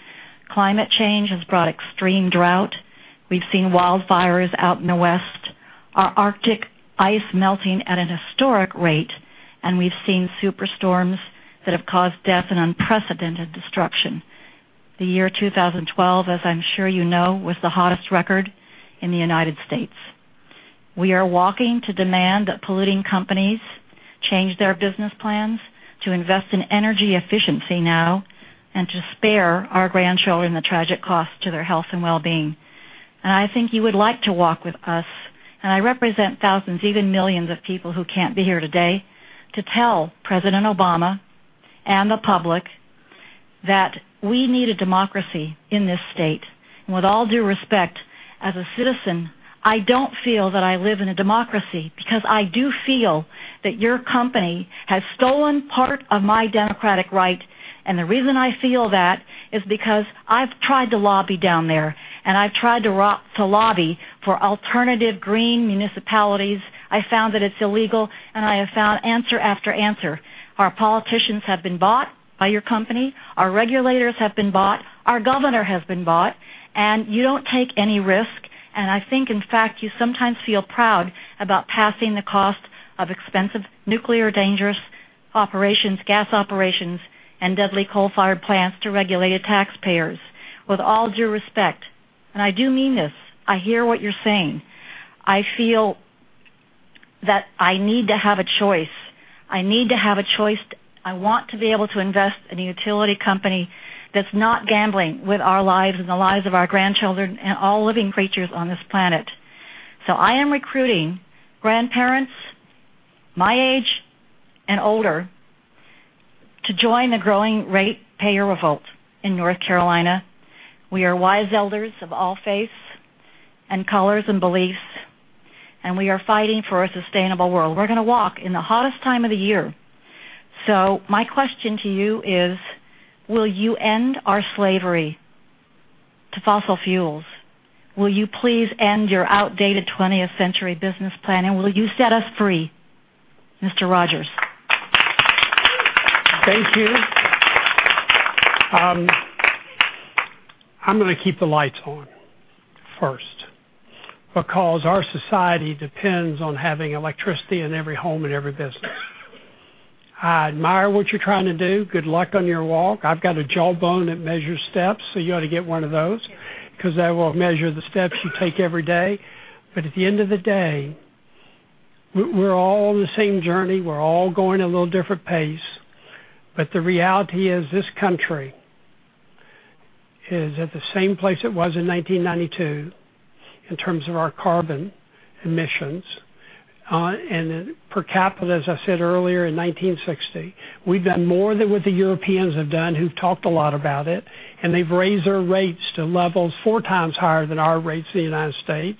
Climate change has brought extreme drought. We've seen wildfires out in the West, our Arctic ice melting at a historic rate, and we've seen super storms that have caused death and unprecedented destruction. The year 2012, as I'm sure you know, was the hottest record in the United States. We are walking to demand that polluting companies change their business plans to invest in energy efficiency now and to spare our grandchildren the tragic cost to their health and wellbeing. I think you would like to walk with us, and I represent thousands, even millions of people who can't be here today to tell President Obama and the public that we need a democracy in this state. With all due respect, as a citizen, I don't feel that I live in a democracy because I do feel that your company has stolen part of my democratic right. The reason I feel that is because I've tried to lobby down there, and I've tried to lobby for alternative green municipalities. I found that it's illegal, and I have found answer after answer. Our politicians have been bought by your company. Our regulators have been bought. Our governor has been bought, and you don't take any risk. I think, in fact, you sometimes feel proud about passing the cost of expensive nuclear dangerous operations, gas operations, and deadly coal-fired plants to regulated taxpayers. With all due respect, and I do mean this, I hear what you're saying. I feel that I need to have a choice. I need to have a choice. I want to be able to invest in a utility company that's not gambling with our lives and the lives of our grandchildren and all living creatures on this planet. I am recruiting grandparents my age and older to join the growing ratepayer revolt in North Carolina. We are wise elders of all faiths and colors and beliefs, and we are fighting for a sustainable world. We're going to walk in the hottest time of the year. My question to you is, will you end our slavery to fossil fuels? Will you please end your outdated 20th century business plan, and will you set us free, Mr. Rogers? Thank you. I'm going to keep the lights on first, because our society depends on having electricity in every home and every business. I admire what you're trying to do. Good luck on your walk. I've got a Jawbone that measures steps. You ought to get one of those, because that will measure the steps you take every day. At the end of the day, we're all on the same journey. We're all going at a little different pace. The reality is, this country is at the same place it was in 1992 in terms of our carbon emissions. Per capita, as I said earlier, in 1960. We've done more than what the Europeans have done, who've talked a lot about it, and they've raised their rates to levels four times higher than our rates in the U.S.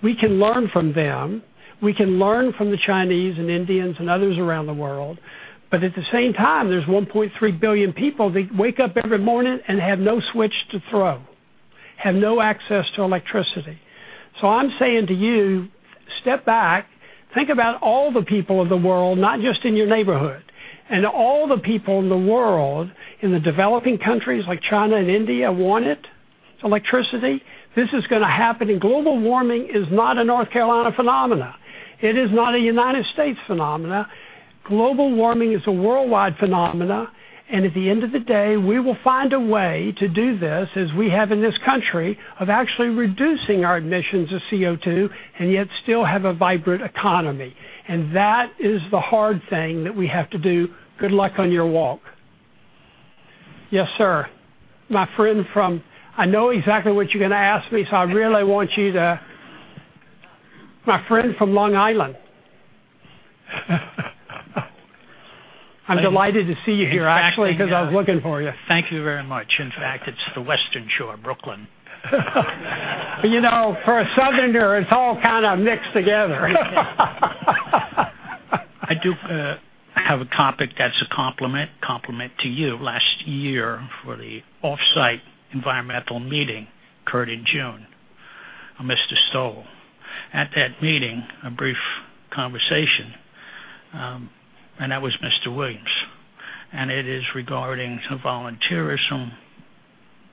We can learn from them. We can learn from the Chinese and Indians and others around the world, at the same time there's 1.3 billion people that wake up every morning and have no switch to throw. Have no access to electricity. I'm saying to you, step back, think about all the people of the world, not just in your neighborhood. All the people in the world, in the developing countries like China and India, want it, electricity. This is going to happen, global warming is not a North Carolina phenomenon. It is not a U.S. phenomenon. Global warming is a worldwide phenomenon, at the end of the day, we will find a way to do this, as we have in this country, of actually reducing our emissions of CO2 and yet still have a vibrant economy. That is the hard thing that we have to do. Good luck on your walk. Yes, sir. I know exactly what you're going to ask me. My friend from Long Island. I'm delighted to see you here, actually, because I was looking for you. Thank you very much. In fact, it's the Western Shore, Brooklyn. You know, for a Southerner, it's all kind of mixed together. I do have a topic that's a compliment to you last year for the off-site environmental meeting occurred in June. Mr. Stoll. At that meeting, a brief conversation, and that was Richard Williams. It is regarding volunteerism,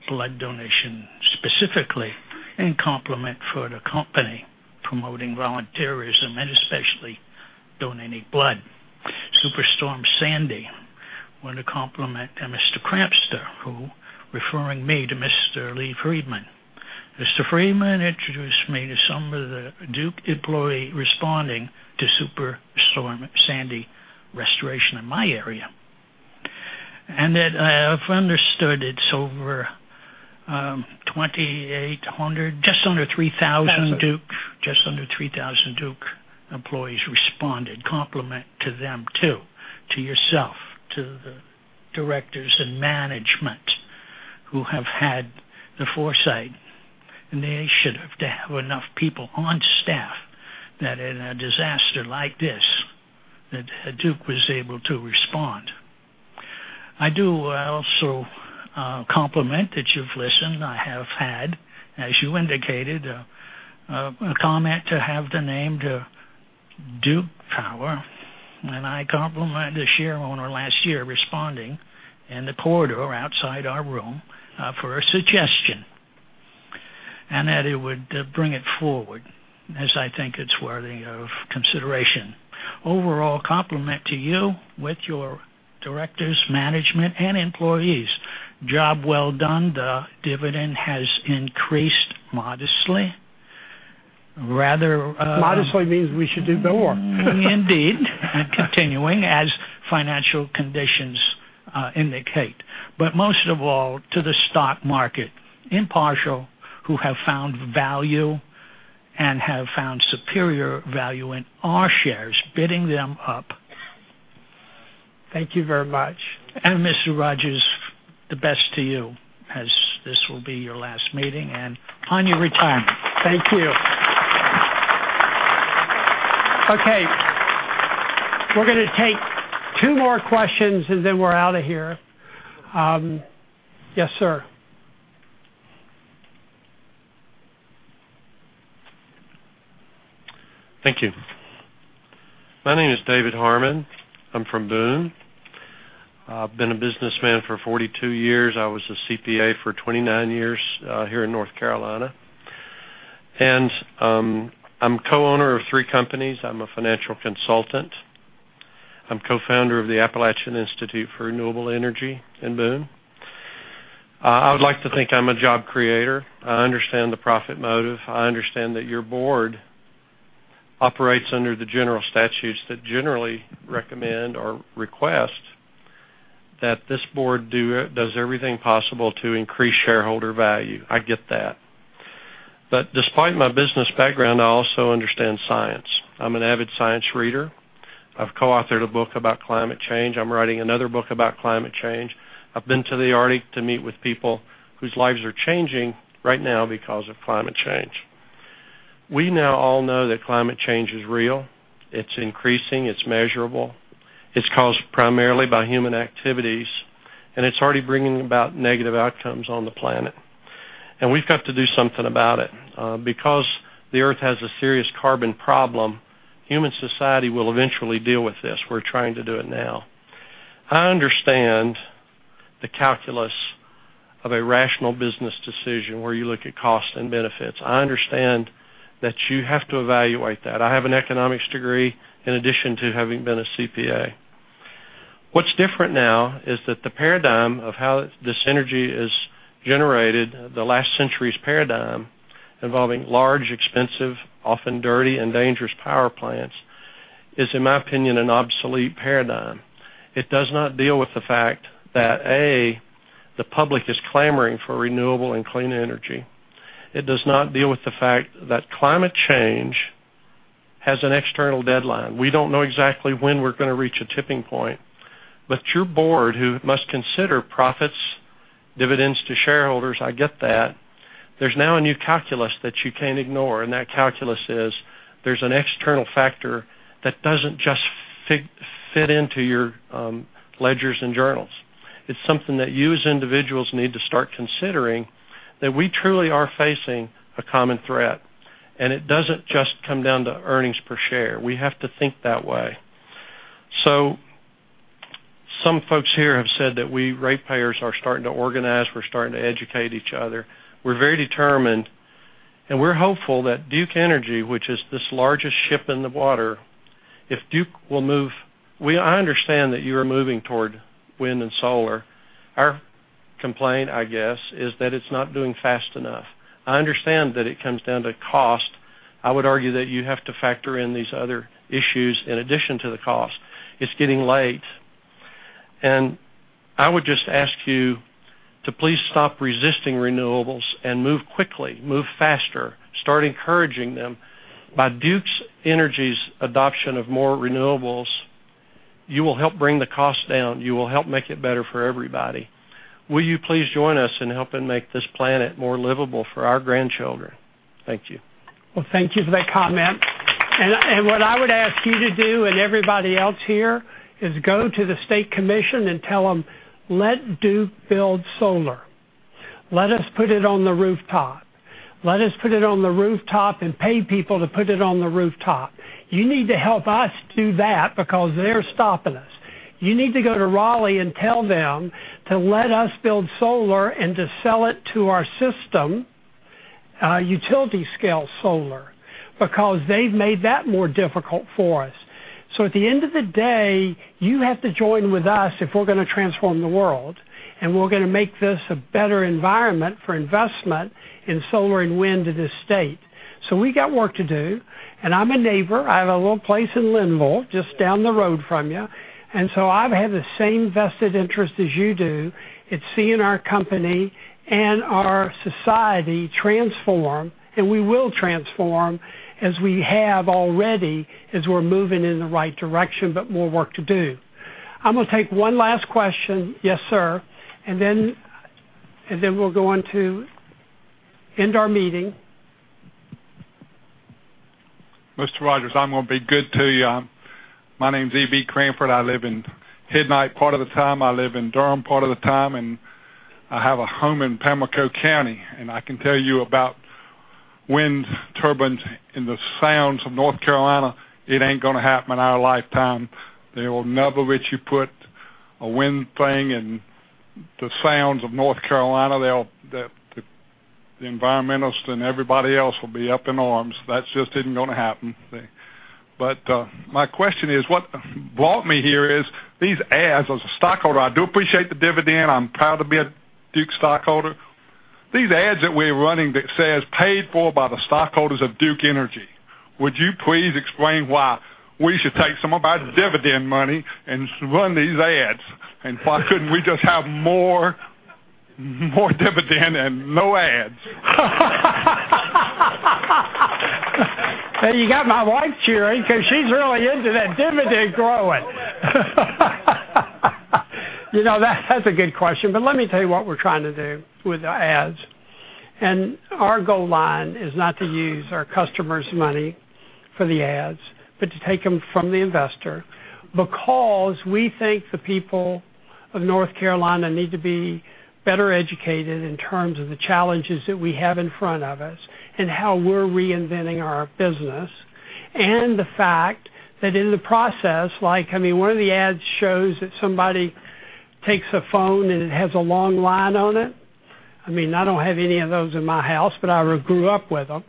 blood donation specifically, in compliment for the company promoting volunteerism and especially donating blood. Superstorm Sandy. Want to compliment [Mr. Cramster], who referring me to Mr. Lee Friedman. Mr. Friedman introduced me to some of the Duke employee responding to Superstorm Sandy restoration in my area. That if I understood, it's over 2,800, just under 3,000 Duke employees responded. Compliment to them, too. To yourself, to the directors and management who have had the foresight and initiative to have enough people on staff that in a disaster like this, that Duke was able to respond. I do also compliment that you've listened. I have had, as you indicated, a comment to have the name Duke Power, and I compliment the shareholder last year responding in the corridor outside our room for a suggestion. That it would bring it forward as I think it's worthy of consideration. Overall compliment to you with your directors, management, and employees. Job well done. The dividend has increased modestly. Modestly means we should do more. Indeed. Continuing as financial conditions indicate, but most of all to the stock market, impartial, who have found value and have found superior value in our shares, bidding them up. Thank you very much. Mr. Rogers, the best to you as this will be your last meeting and on your retirement. Thank you. Okay. We're going to take two more questions, and then we're out of here. Yes, sir. Thank you. My name is David Harmon. I'm from Boone. I've been a businessman for 42 years. I was a CPA for 29 years here in North Carolina. I'm co-owner of three companies. I'm a financial consultant. I'm co-founder of the Appalachian Institute for Renewable Energy in Boone. I would like to think I'm a job creator. I understand the profit motive. I understand that your board operates under the general statutes that generally recommend or request that this board does everything possible to increase shareholder value. I get that. Despite my business background, I also understand science. I'm an avid science reader. I've co-authored a book about climate change. I'm writing another book about climate change. I've been to the Arctic to meet with people whose lives are changing right now because of climate change. We now all know that climate change is real. It's increasing, it's measurable, it's caused primarily by human activities, and it's already bringing about negative outcomes on the planet, and we've got to do something about it. The Earth has a serious carbon problem, human society will eventually deal with this. We're trying to do it now. I understand the calculus of a rational business decision where you look at cost and benefits. I understand that you have to evaluate that. I have an economics degree in addition to having been a CPA. What's different now is that the paradigm of how this energy is generated, the last century's paradigm involving large, expensive, often dirty and dangerous power plants, is, in my opinion, an obsolete paradigm. It does not deal with the fact that, A, the public is clamoring for renewable and clean energy. It does not deal with the fact that climate change has an external deadline. We don't know exactly when we're going to reach a tipping point. Your board, who must consider profits, dividends to shareholders, I get that. There's now a new calculus that you can't ignore. That calculus is there's an external factor that doesn't just fit into your ledgers and journals. It's something that you, as individuals, need to start considering, that we truly are facing a common threat. It doesn't just come down to earnings per share. We have to think that way. Some folks here have said that we ratepayers are starting to organize, we're starting to educate each other. We're very determined. We're hopeful that Duke Energy, which is this largest ship in the water, if Duke will move I understand that you are moving toward wind and solar. Our complaint, I guess, is that it's not doing fast enough. I understand that it comes down to cost. I would argue that you have to factor in these other issues in addition to the cost. It's getting late. I would just ask you to please stop resisting renewables and move quickly, move faster, start encouraging them. By Duke Energy's adoption of more renewables, you will help bring the cost down. You will help make it better for everybody. Will you please join us in helping make this planet more livable for our grandchildren? Thank you. Well, thank you for that comment. What I would ask you to do, and everybody else here, is go to the state commission and tell them, "Let Duke build solar. Let us put it on the rooftop. Let us put it on the rooftop and pay people to put it on the rooftop." You need to help us do that because they're stopping us. You need to go to Raleigh and tell them to let us build solar and to sell it to our system, utility scale solar, because they've made that more difficult for us. At the end of the day, you have to join with us if we're going to transform the world, and we're going to make this a better environment for investment in solar and wind in this state. We got work to do. I'm a neighbor. I have a little place in Linville, just down the road from you. I have the same vested interest as you do in seeing our company and our society transform, and we will transform, as we have already as we're moving in the right direction, but more work to do. I'm going to take one last question. Yes, sir. We'll go on to end our meeting. Mr. Rogers, I'm going to be good to you. My name's E.B. Cranford. I live in Midland part of the time, I live in Durham part of the time, and I have a home in Pamlico County, and I can tell you about wind turbines in the sounds of North Carolina. It ain't going to happen in our lifetime. They will never let you put a wind thing in the sounds of North Carolina. The environmentalists and everybody else will be up in arms. That just isn't going to happen. My question is, what brought me here is these ads. As a stockholder, I do appreciate the dividend. I'm proud to be a Duke stockholder. These ads that we're running that says, "Paid for by the stockholders of Duke Energy," would you please explain why we should take some of our dividend money and run these ads, and why couldn't we just have more dividend and no ads? You got my wife cheering because she's really into that dividend growing. That's a good question. Let me tell you what we're trying to do with the ads. Our goal line is not to use our customers' money for the ads, but to take them from the investor because we think the people of North Carolina need to be better educated in terms of the challenges that we have in front of us and how we're reinventing our business, and the fact that in the process, like, one of the ads shows that somebody takes a phone, and it has a long line on it. I don't have any of those in my house, but I grew up with them.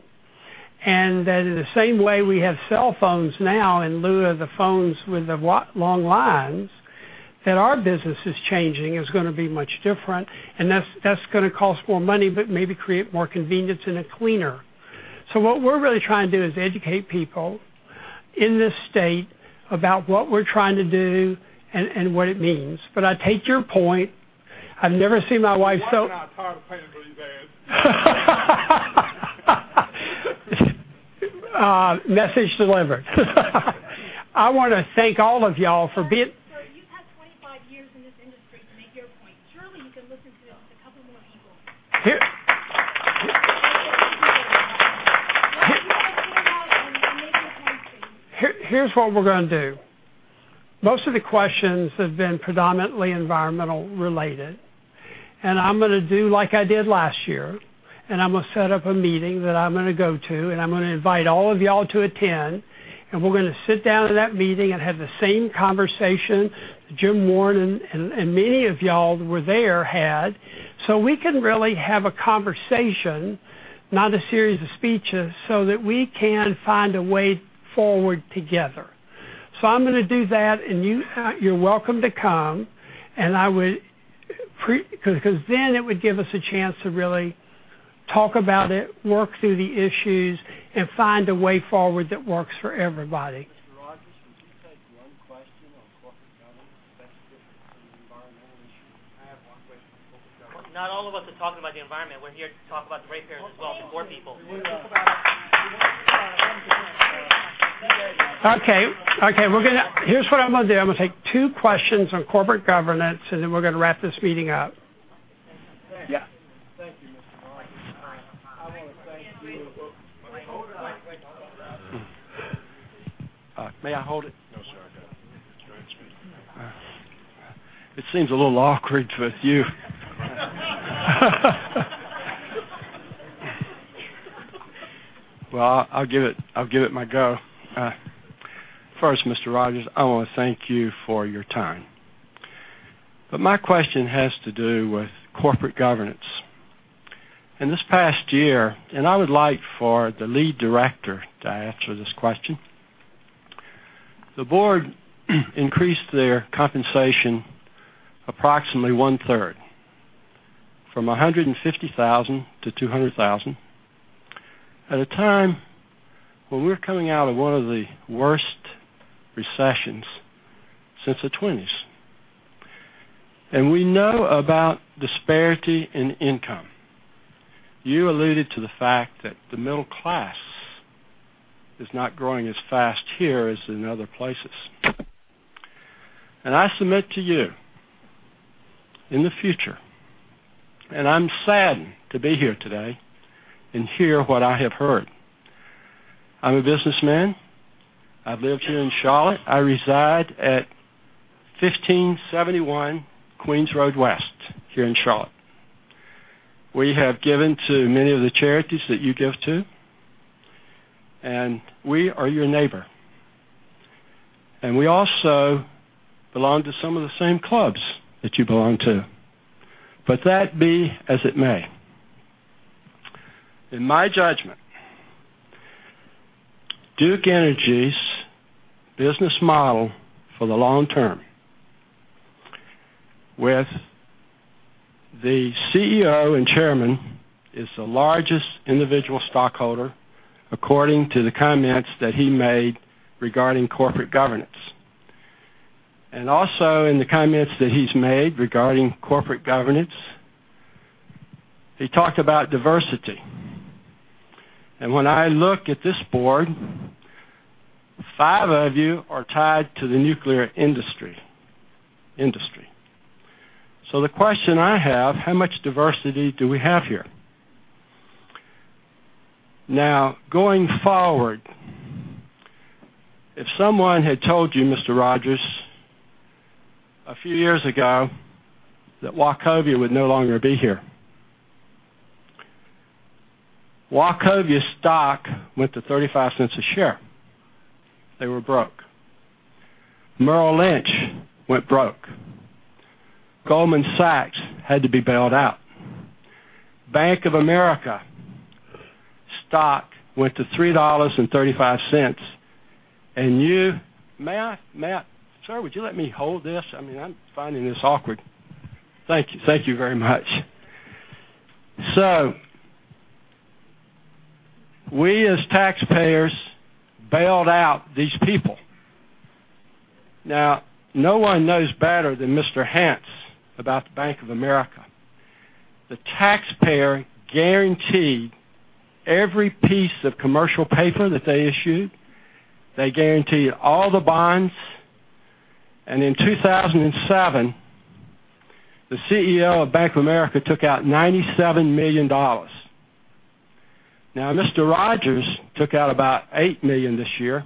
That in the same way we have cell phones now in lieu of the phones with the long lines, that our business is changing. It's going to be much different, and that's going to cost more money but maybe create more convenience and it's cleaner. What we're really trying to do is educate people in this state about what we're trying to do and what it means. I take your point. I've never seen my wife so- My wife and I are tired of paying for your ads. Message delivered. I want to thank all of you all for being- Sir, you've had 25 years in this industry to make your point. Surely you can listen to a couple more people. Here. Why don't you just sit awhile. Here's what we're going to do. Most of the questions have been predominantly environmental related. I'm going to do like I did last year, I'm going to set up a meeting that I'm going to go to, I'm going to invite all of y'all to attend. We're going to sit down in that meeting and have the same conversation Jim Warren and many of y'all who were there had, so we can really have a conversation, not a series of speeches, so that we can find a way forward together. I'm going to do that, and you're welcome to come, because then it would give us a chance to really talk about it, work through the issues, and find a way forward that works for everybody. Mr. Rogers, would you take one question on corporate governance versus an environmental issue? I have one question on corporate governance. Not all of us are talking about the environment. We're here to talk about the rate payers as well, the poor people. Well, the answer. We want to talk about corporate governance. Okay. Here's what I'm going to do. I'm going to take two questions on corporate governance, and then we're going to wrap this meeting up. Thank you. Yeah. Thank you, Mr. Rogers. I want to thank you. Can't we. Hold on. May I hold it? No, sir, I got it. Go ahead, speak. It seems a little awkward with you. Well, I'll give it my go. First, Mr. Rogers, I want to thank you for your time. My question has to do with corporate governance. In this past year, and I would like for the lead director to answer this question, the board increased their compensation approximately one-third, from 150,000 to 200,000, at a time when we're coming out of one of the worst recessions since the '20s. We know about disparity in income. You alluded to the fact that the middle class is not growing as fast here as in other places. I submit to you, in the future, and I'm saddened to be here today and hear what I have heard. I'm a businessman. I've lived here in Charlotte. I reside at 1571 Queens Road West here in Charlotte. We have given to many of the charities that you give to, and we are your neighbor. We also belong to some of the same clubs that you belong to. That be as it may. In my judgment, Duke Energy's business model for the long term with the CEO and Chairman is the largest individual stockholder, according to the comments that he made regarding corporate governance. Also in the comments that he's made regarding corporate governance, he talked about diversity and when I look at this board, five of you are tied to the nuclear industry. The question I have, how much diversity do we have here? Now, going forward, if someone had told you, Mr. Rogers, a few years ago that Wachovia would no longer be here. Wachovia stock went to $0.35 a share. They were broke. Merrill Lynch went broke. Goldman Sachs had to be bailed out. Bank of America stock went to $3.35. May I? Sir, would you let me hold this? I'm finding this awkward. Thank you. Thank you very much. We, as taxpayers, bailed out these people. No one knows better than Mr. Hance about Bank of America. The taxpayer guaranteed every piece of commercial paper that they issued. They guaranteed all the bonds. In 2007, the CEO of Bank of America took out $97 million. Mr. Rogers took out about $8 million this year,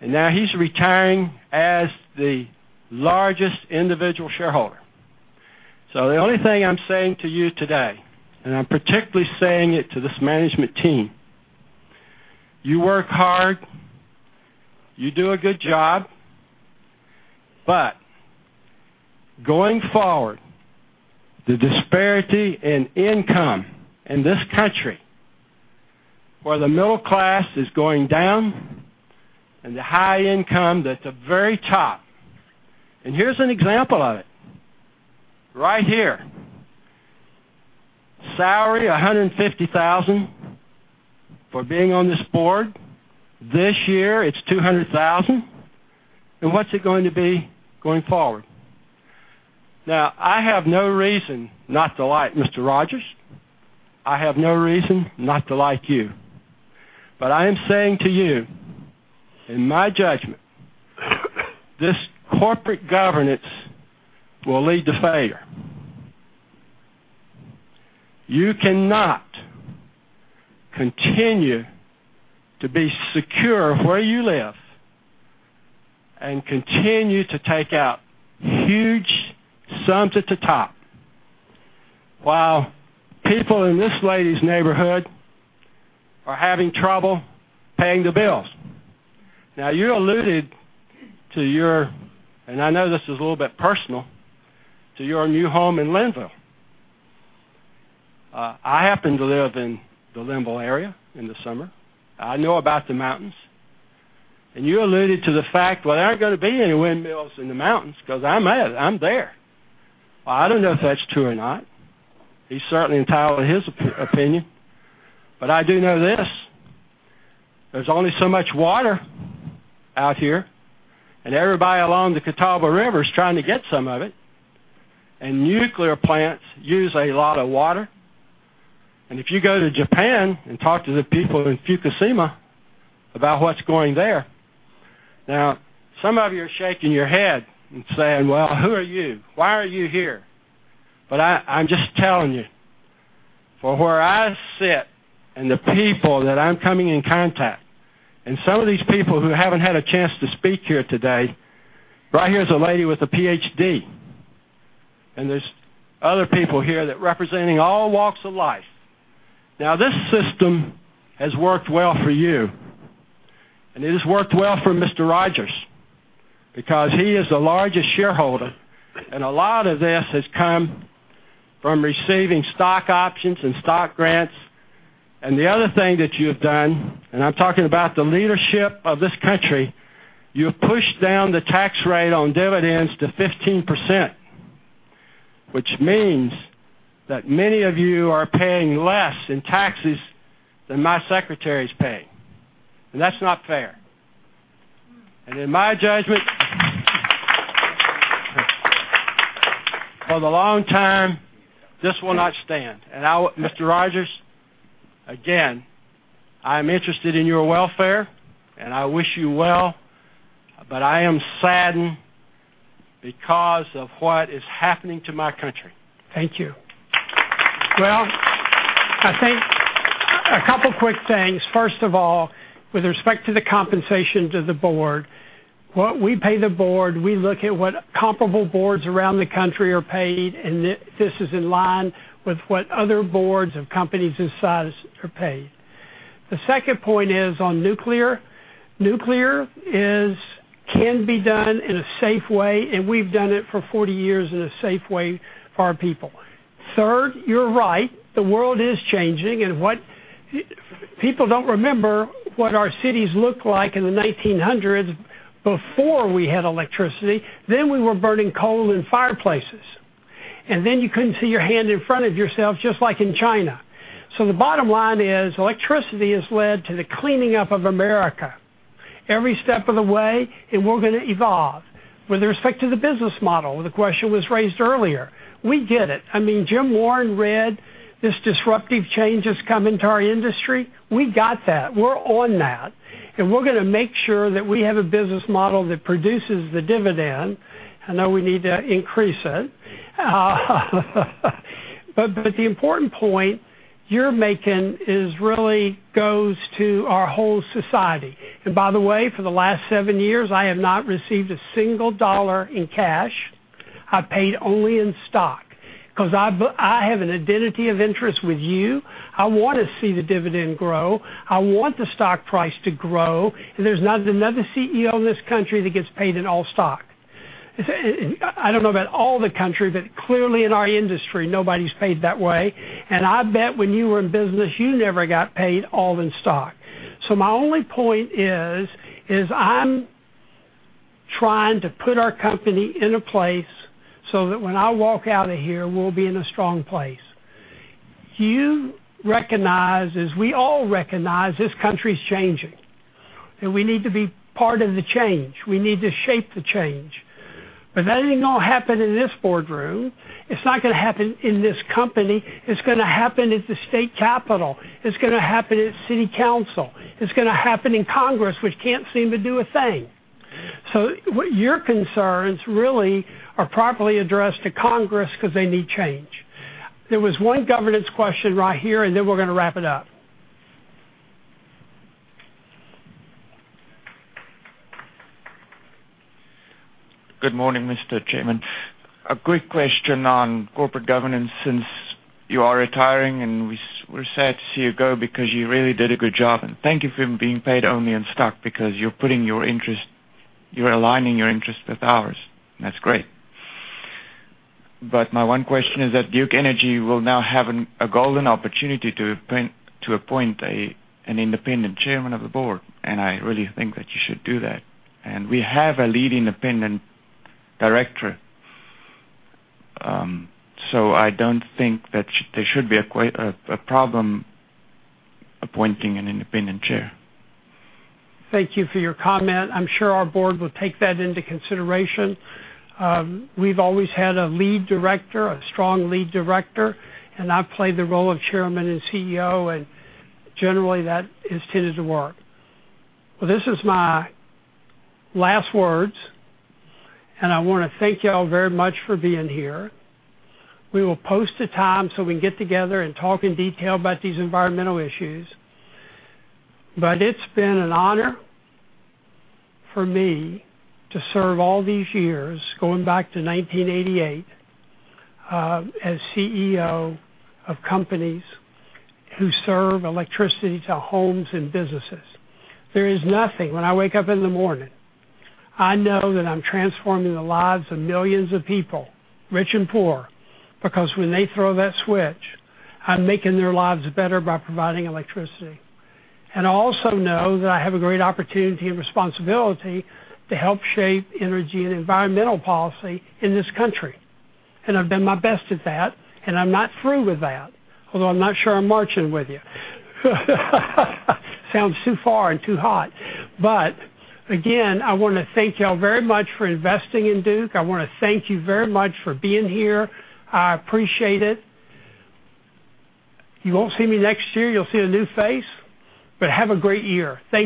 and now he's retiring as the largest individual shareholder. The only thing I'm saying to you today, I'm particularly saying it to this management team, you work hard, you do a good job, going forward, the disparity in income in this country, where the middle class is going down, the high income that's at the very top. Here's an example of it. Right here. Salary, $150,000 for being on this board. This year, it's $200,000. What's it going to be going forward? I have no reason not to like Mr. Rogers. I have no reason not to like you. I am saying to you, in my judgment, this corporate governance will lead to failure. You cannot continue to be secure where you live and continue to take out huge sums at the top, while people in this lady's neighborhood are having trouble paying the bills. You alluded to your, I know this is a little bit personal, to your new home in Linville. I happen to live in the Linville area in the summer. I know about the mountains. You alluded to the fact, "Well, there aren't going to be any windmills in the mountains because I'm at it. I'm there." Well, I don't know if that's true or not. He's certainly entitled to his opinion. I do know this, there's only so much water out here, everybody along the Catawba River is trying to get some of it, nuclear plants use a lot of water. If you go to Japan and talk to the people in Fukushima about what's going there, some of you are shaking your head and saying, "Well, who are you? Why are you here?" I'm just telling you, from where I sit, the people that I'm coming in contact, some of these people who haven't had a chance to speak here today. Right here is a lady with a PhD, there's other people here that representing all walks of life. This system has worked well for you. It has worked well for Mr. Rogers because he is the largest shareholder, a lot of this has come from receiving stock options and stock grants. The other thing that you've done, I'm talking about the leadership of this country, you've pushed down the tax rate on dividends to 15%, which means that many of you are paying less in taxes than my secretary's paying. That's not fair. In my judgment, for the long term, this will not stand. Mr. Rogers, again, I'm interested in your welfare, and I wish you well, but I am saddened because of what is happening to my country. Thank you. Well, I think a couple quick things. First of all, with respect to the compensation to the board, what we pay the board, we look at what comparable boards around the country are paid, and this is in line with what other boards of companies this size are paid. The second point is on nuclear. Nuclear can be done in a safe way, and we've done it for 40 years in a safe way for our people. Third, you're right, the world is changing, and people don't remember what our cities looked like in the 1900s before we had electricity. We were burning coal in fireplaces. You couldn't see your hand in front of yourself, just like in China. The bottom line is, electricity has led to the cleaning up of America every step of the way, and we're going to evolve. With respect to the business model, the question was raised earlier. We get it. Jim Warren read this disruptive change is coming to our industry. We got that. We're on that, and we're going to make sure that we have a business model that produces the dividend. I know we need to increase it. The important point you're making is really goes to our whole society. By the way, for the last seven years, I have not received a single dollar in cash. I'm paid only in stock because I have an identity of interest with you. I want to see the dividend grow. I want the stock price to grow. There's not another CEO in this country that gets paid in all stock. I don't know about all the country, but clearly in our industry, nobody's paid that way. I bet when you were in business, you never got paid all in stock. My only point is, I'm trying to put our company in a place so that when I walk out of here, we'll be in a strong place. You recognize, as we all recognize, this country's changing, we need to be part of the change. We need to shape the change. That ain't going to happen in this boardroom. It's not going to happen in this company. It's going to happen at the state capital. It's going to happen at city council. It's going to happen in Congress, which can't seem to do a thing. Your concerns really are properly addressed to Congress because they need change. There was one governance question right here, then we're going to wrap it up. Good morning, Mr. Chairman. A quick question on corporate governance, since you are retiring, we're sad to see you go because you really did a good job. Thank you for being paid only in stock because you're aligning your interest with ours. That's great. My one question is that Duke Energy will now have a golden opportunity to appoint an independent chairman of the board, I really think that you should do that. We have a lead independent director, so I don't think that there should be a problem appointing an independent chair. Thank you for your comment. I'm sure our board will take that into consideration. We've always had a lead director, a strong lead director, I've played the role of chairman and CEO, generally, that is tended to work. This is my last words, I want to thank y'all very much for being here. We will post a time so we can get together and talk in detail about these environmental issues. It's been an honor for me to serve all these years, going back to 1988, as CEO of companies who serve electricity to homes and businesses. There is nothing when I wake up in the morning, I know that I'm transforming the lives of millions of people, rich and poor, because when they throw that switch, I'm making their lives better by providing electricity. I also know that I have a great opportunity and responsibility to help shape energy and environmental policy in this country. I've done my best at that, and I'm not through with that, although I'm not sure I'm marching with you. Sounds too far and too hot. Again, I want to thank y'all very much for investing in Duke. I want to thank you very much for being here. I appreciate it. You won't see me next year. You'll see a new face. Have a great year. Thank you.